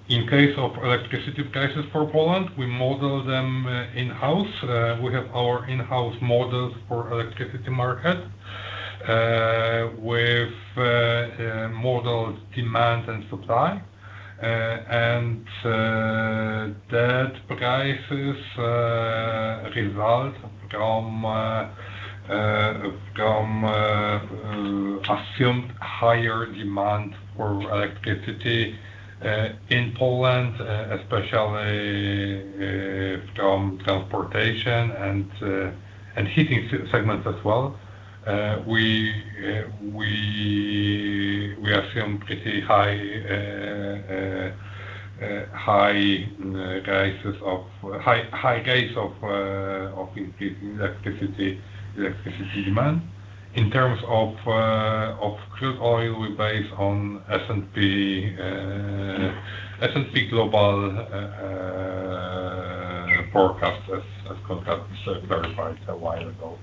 In case of electricity prices for Poland, we model them in-house. We have our in-house models for electricity market with model demand and supply. And that prices result from assumed higher demand for electricity in Poland, especially from Transportation and Heating segments as well. We assume pretty high prices of high rates of electricity demand. In terms of crude oil, we base on S&P Global forecast, as Konrad verified a while ago.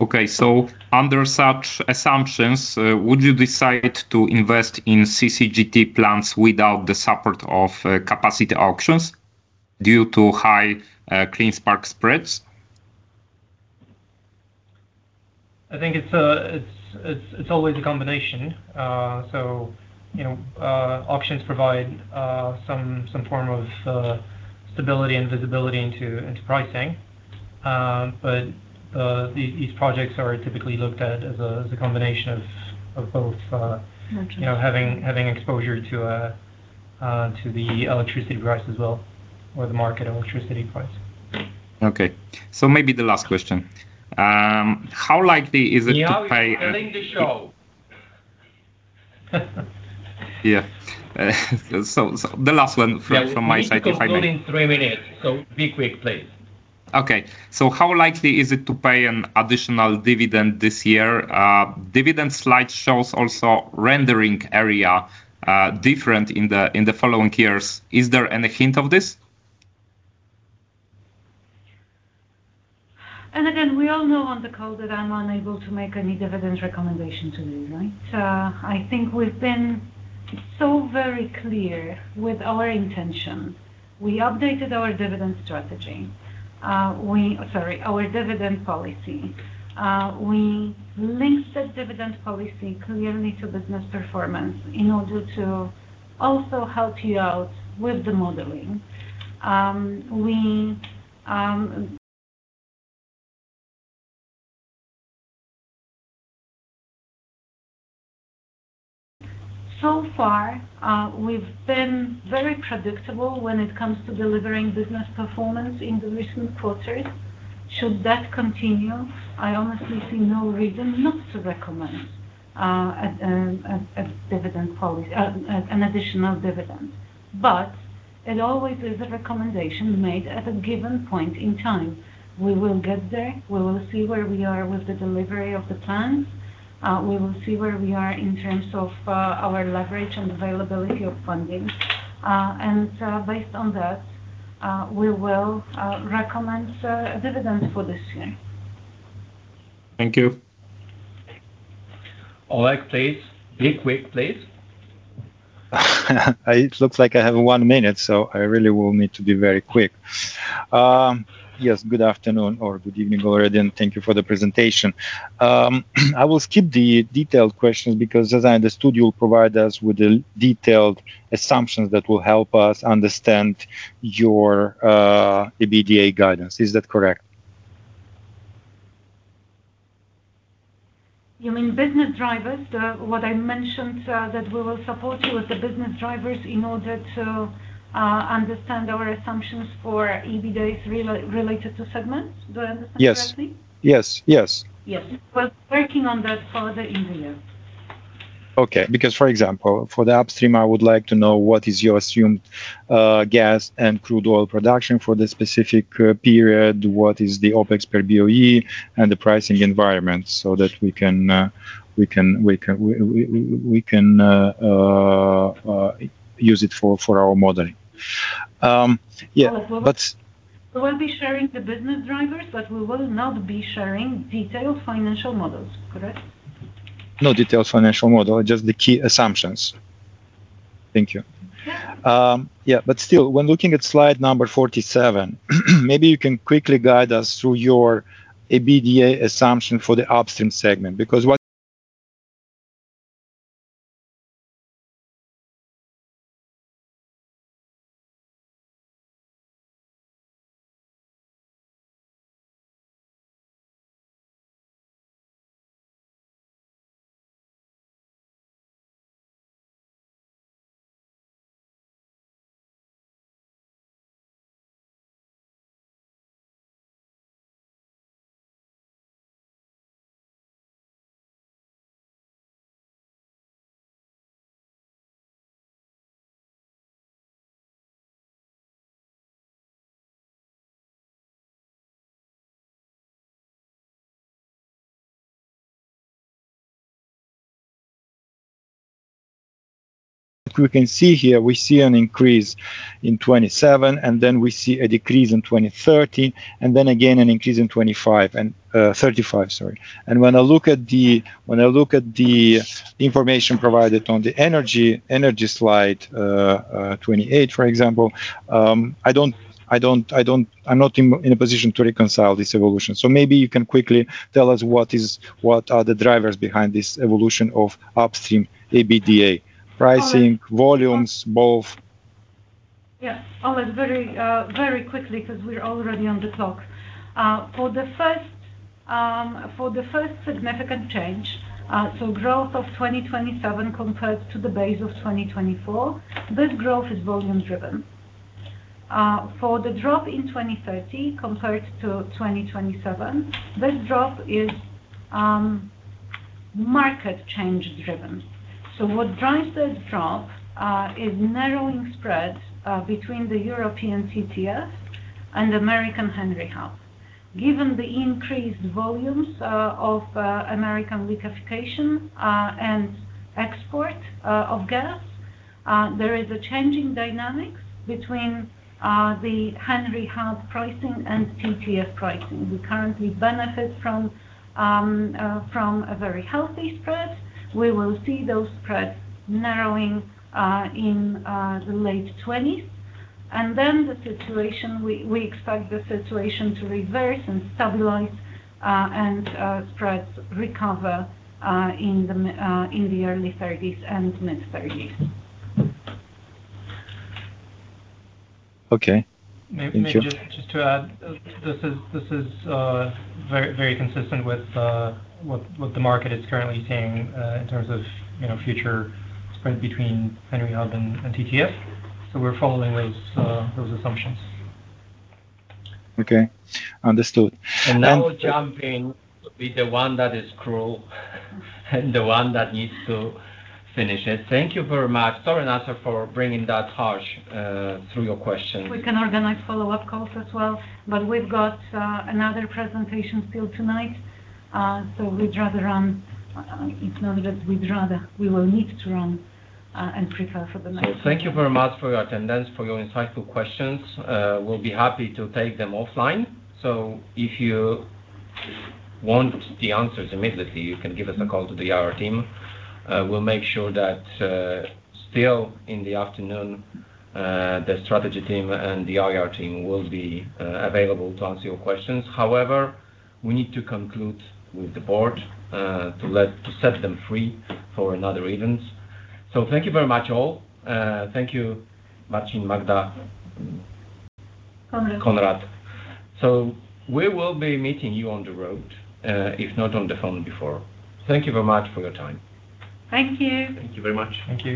Okay, so under such assumptions, would you decide to invest in CCGT plants without the support of capacity auctions?... due to high clean spark spreads? I think it's always a combination. So, you know, options provide some form of stability and visibility into pricing. But these projects are typically looked at as a combination of both. Okay You know, having exposure to the electricity price as well, or the market electricity price. Okay. Maybe the last question. How likely is it to pay- You are killing the show. Yeah. So, the last one from my side, if I may- We need to conclude in three minutes, so be quick, please. Okay. So how likely is it to pay an additional dividend this year? Dividend slide shows also rendering area different in the following years. Is there any hint of this? Again, we all know on the call that I'm unable to make any dividend recommendation today, right? So I think we've been so very clear with our intentions. We updated our dividend strategy. Sorry, our dividend policy. We linked the dividend policy clearly to business performance in order to also help you out with the modeling. So far, we've been very predictable when it comes to delivering business performance in the recent quarters. Should that continue, I honestly see no reason not to recommend a dividend policy, an additional dividend. But it always is a recommendation made at a given point in time. We will get there. We will see where we are with the delivery of the plan. We will see where we are in terms of our leverage and availability of funding. Based on that, we will recommend a dividend for this year. Thank you. Oleg, please, be quick, please. It looks like I have one minute, so I really will need to be very quick. Yes, good afternoon or good evening already, and thank you for the presentation. I will skip the detailed questions because as I understood, you'll provide us with the detailed assumptions that will help us understand your, the EBITDA guidance. Is that correct? You mean business drivers? What I mentioned, that we will support you with the business drivers in order to understand our assumptions for EBITDA's related to segments. Do I understand correctly? Yes. Yes, yes. Yes. We're working on that further in the year. Okay. Because, for example, for the Upstream, I would like to know what is your assumed gas and crude oil production for this specific period, what is the OpEx per BOE, and the pricing environment so that we can use it for our modeling. Yeah, but- We will be sharing the business drivers, but we will not be sharing detailed financial models, correct? No detailed financial model, just the key assumptions. Thank you. Yeah. Yeah, but still, when looking at slide number 47, maybe you can quickly guide us through your EBITDA assumption for the Upstream segment, because what... We can see here, we see an increase in 2027, and then we see a decrease in 2013, and then again, an increase in 2025 and 35, sorry. And when I look at the information provided on the energy slide 28, for example, I don't, I don't- I'm not in a position to reconcile this evolution. So maybe you can quickly tell us what are the drivers behind this evolution of Upstream EBITDA. All right. Pricing, volumes, both. Yeah. I'll be very, very quickly, because we're already on the clock. For the first significant change, so growth of 2027 compared to the base of 2024, this growth is volume-driven. For the drop in 2030 compared to 2027, this drop is market change-driven. So what drives this drop is narrowing spreads between the European TTF and American Henry Hub. Given the increased volumes of American liquefaction and export of gas, there is a changing dynamics between the Henry Hub pricing and TTF pricing. We currently benefit from a very healthy spread. We will see those spreads narrowing in the late 30s, and then we expect the situation to reverse and stabilize, and spreads recover in the early 30s and mid 30s. Okay. Thank you. Maybe just to add, this is very consistent with what the market is currently seeing in terms of, you know, future spread between Henry Hub and TTF. So we're following those assumptions. Okay. Understood. And now jumping with the one that is cruel and the one that needs to finish it. Thank you very much. Sorry, Michal, for bringing that harsh through your question. We can organize follow-up calls as well, but we've got another presentation still tonight, so we'd rather run. It's not that we'd rather, we will need to run, and prepare for the next one. Thank you very much for your attendance, for your insightful questions. We'll be happy to take them offline. So if you want the answers immediately, you can give us a call to the IR team. We'll make sure that, still in the afternoon, the strategy team and the IR team will be available to answer your questions. However, we need to conclude with the board, to set them free for another events. Thank you very much, all. Thank you, Marcin, Magda- Konrad. Konrad. We will be meeting you on the road, if not on the phone before. Thank you very much for your time. Thank you. Thank you very much. Thank you.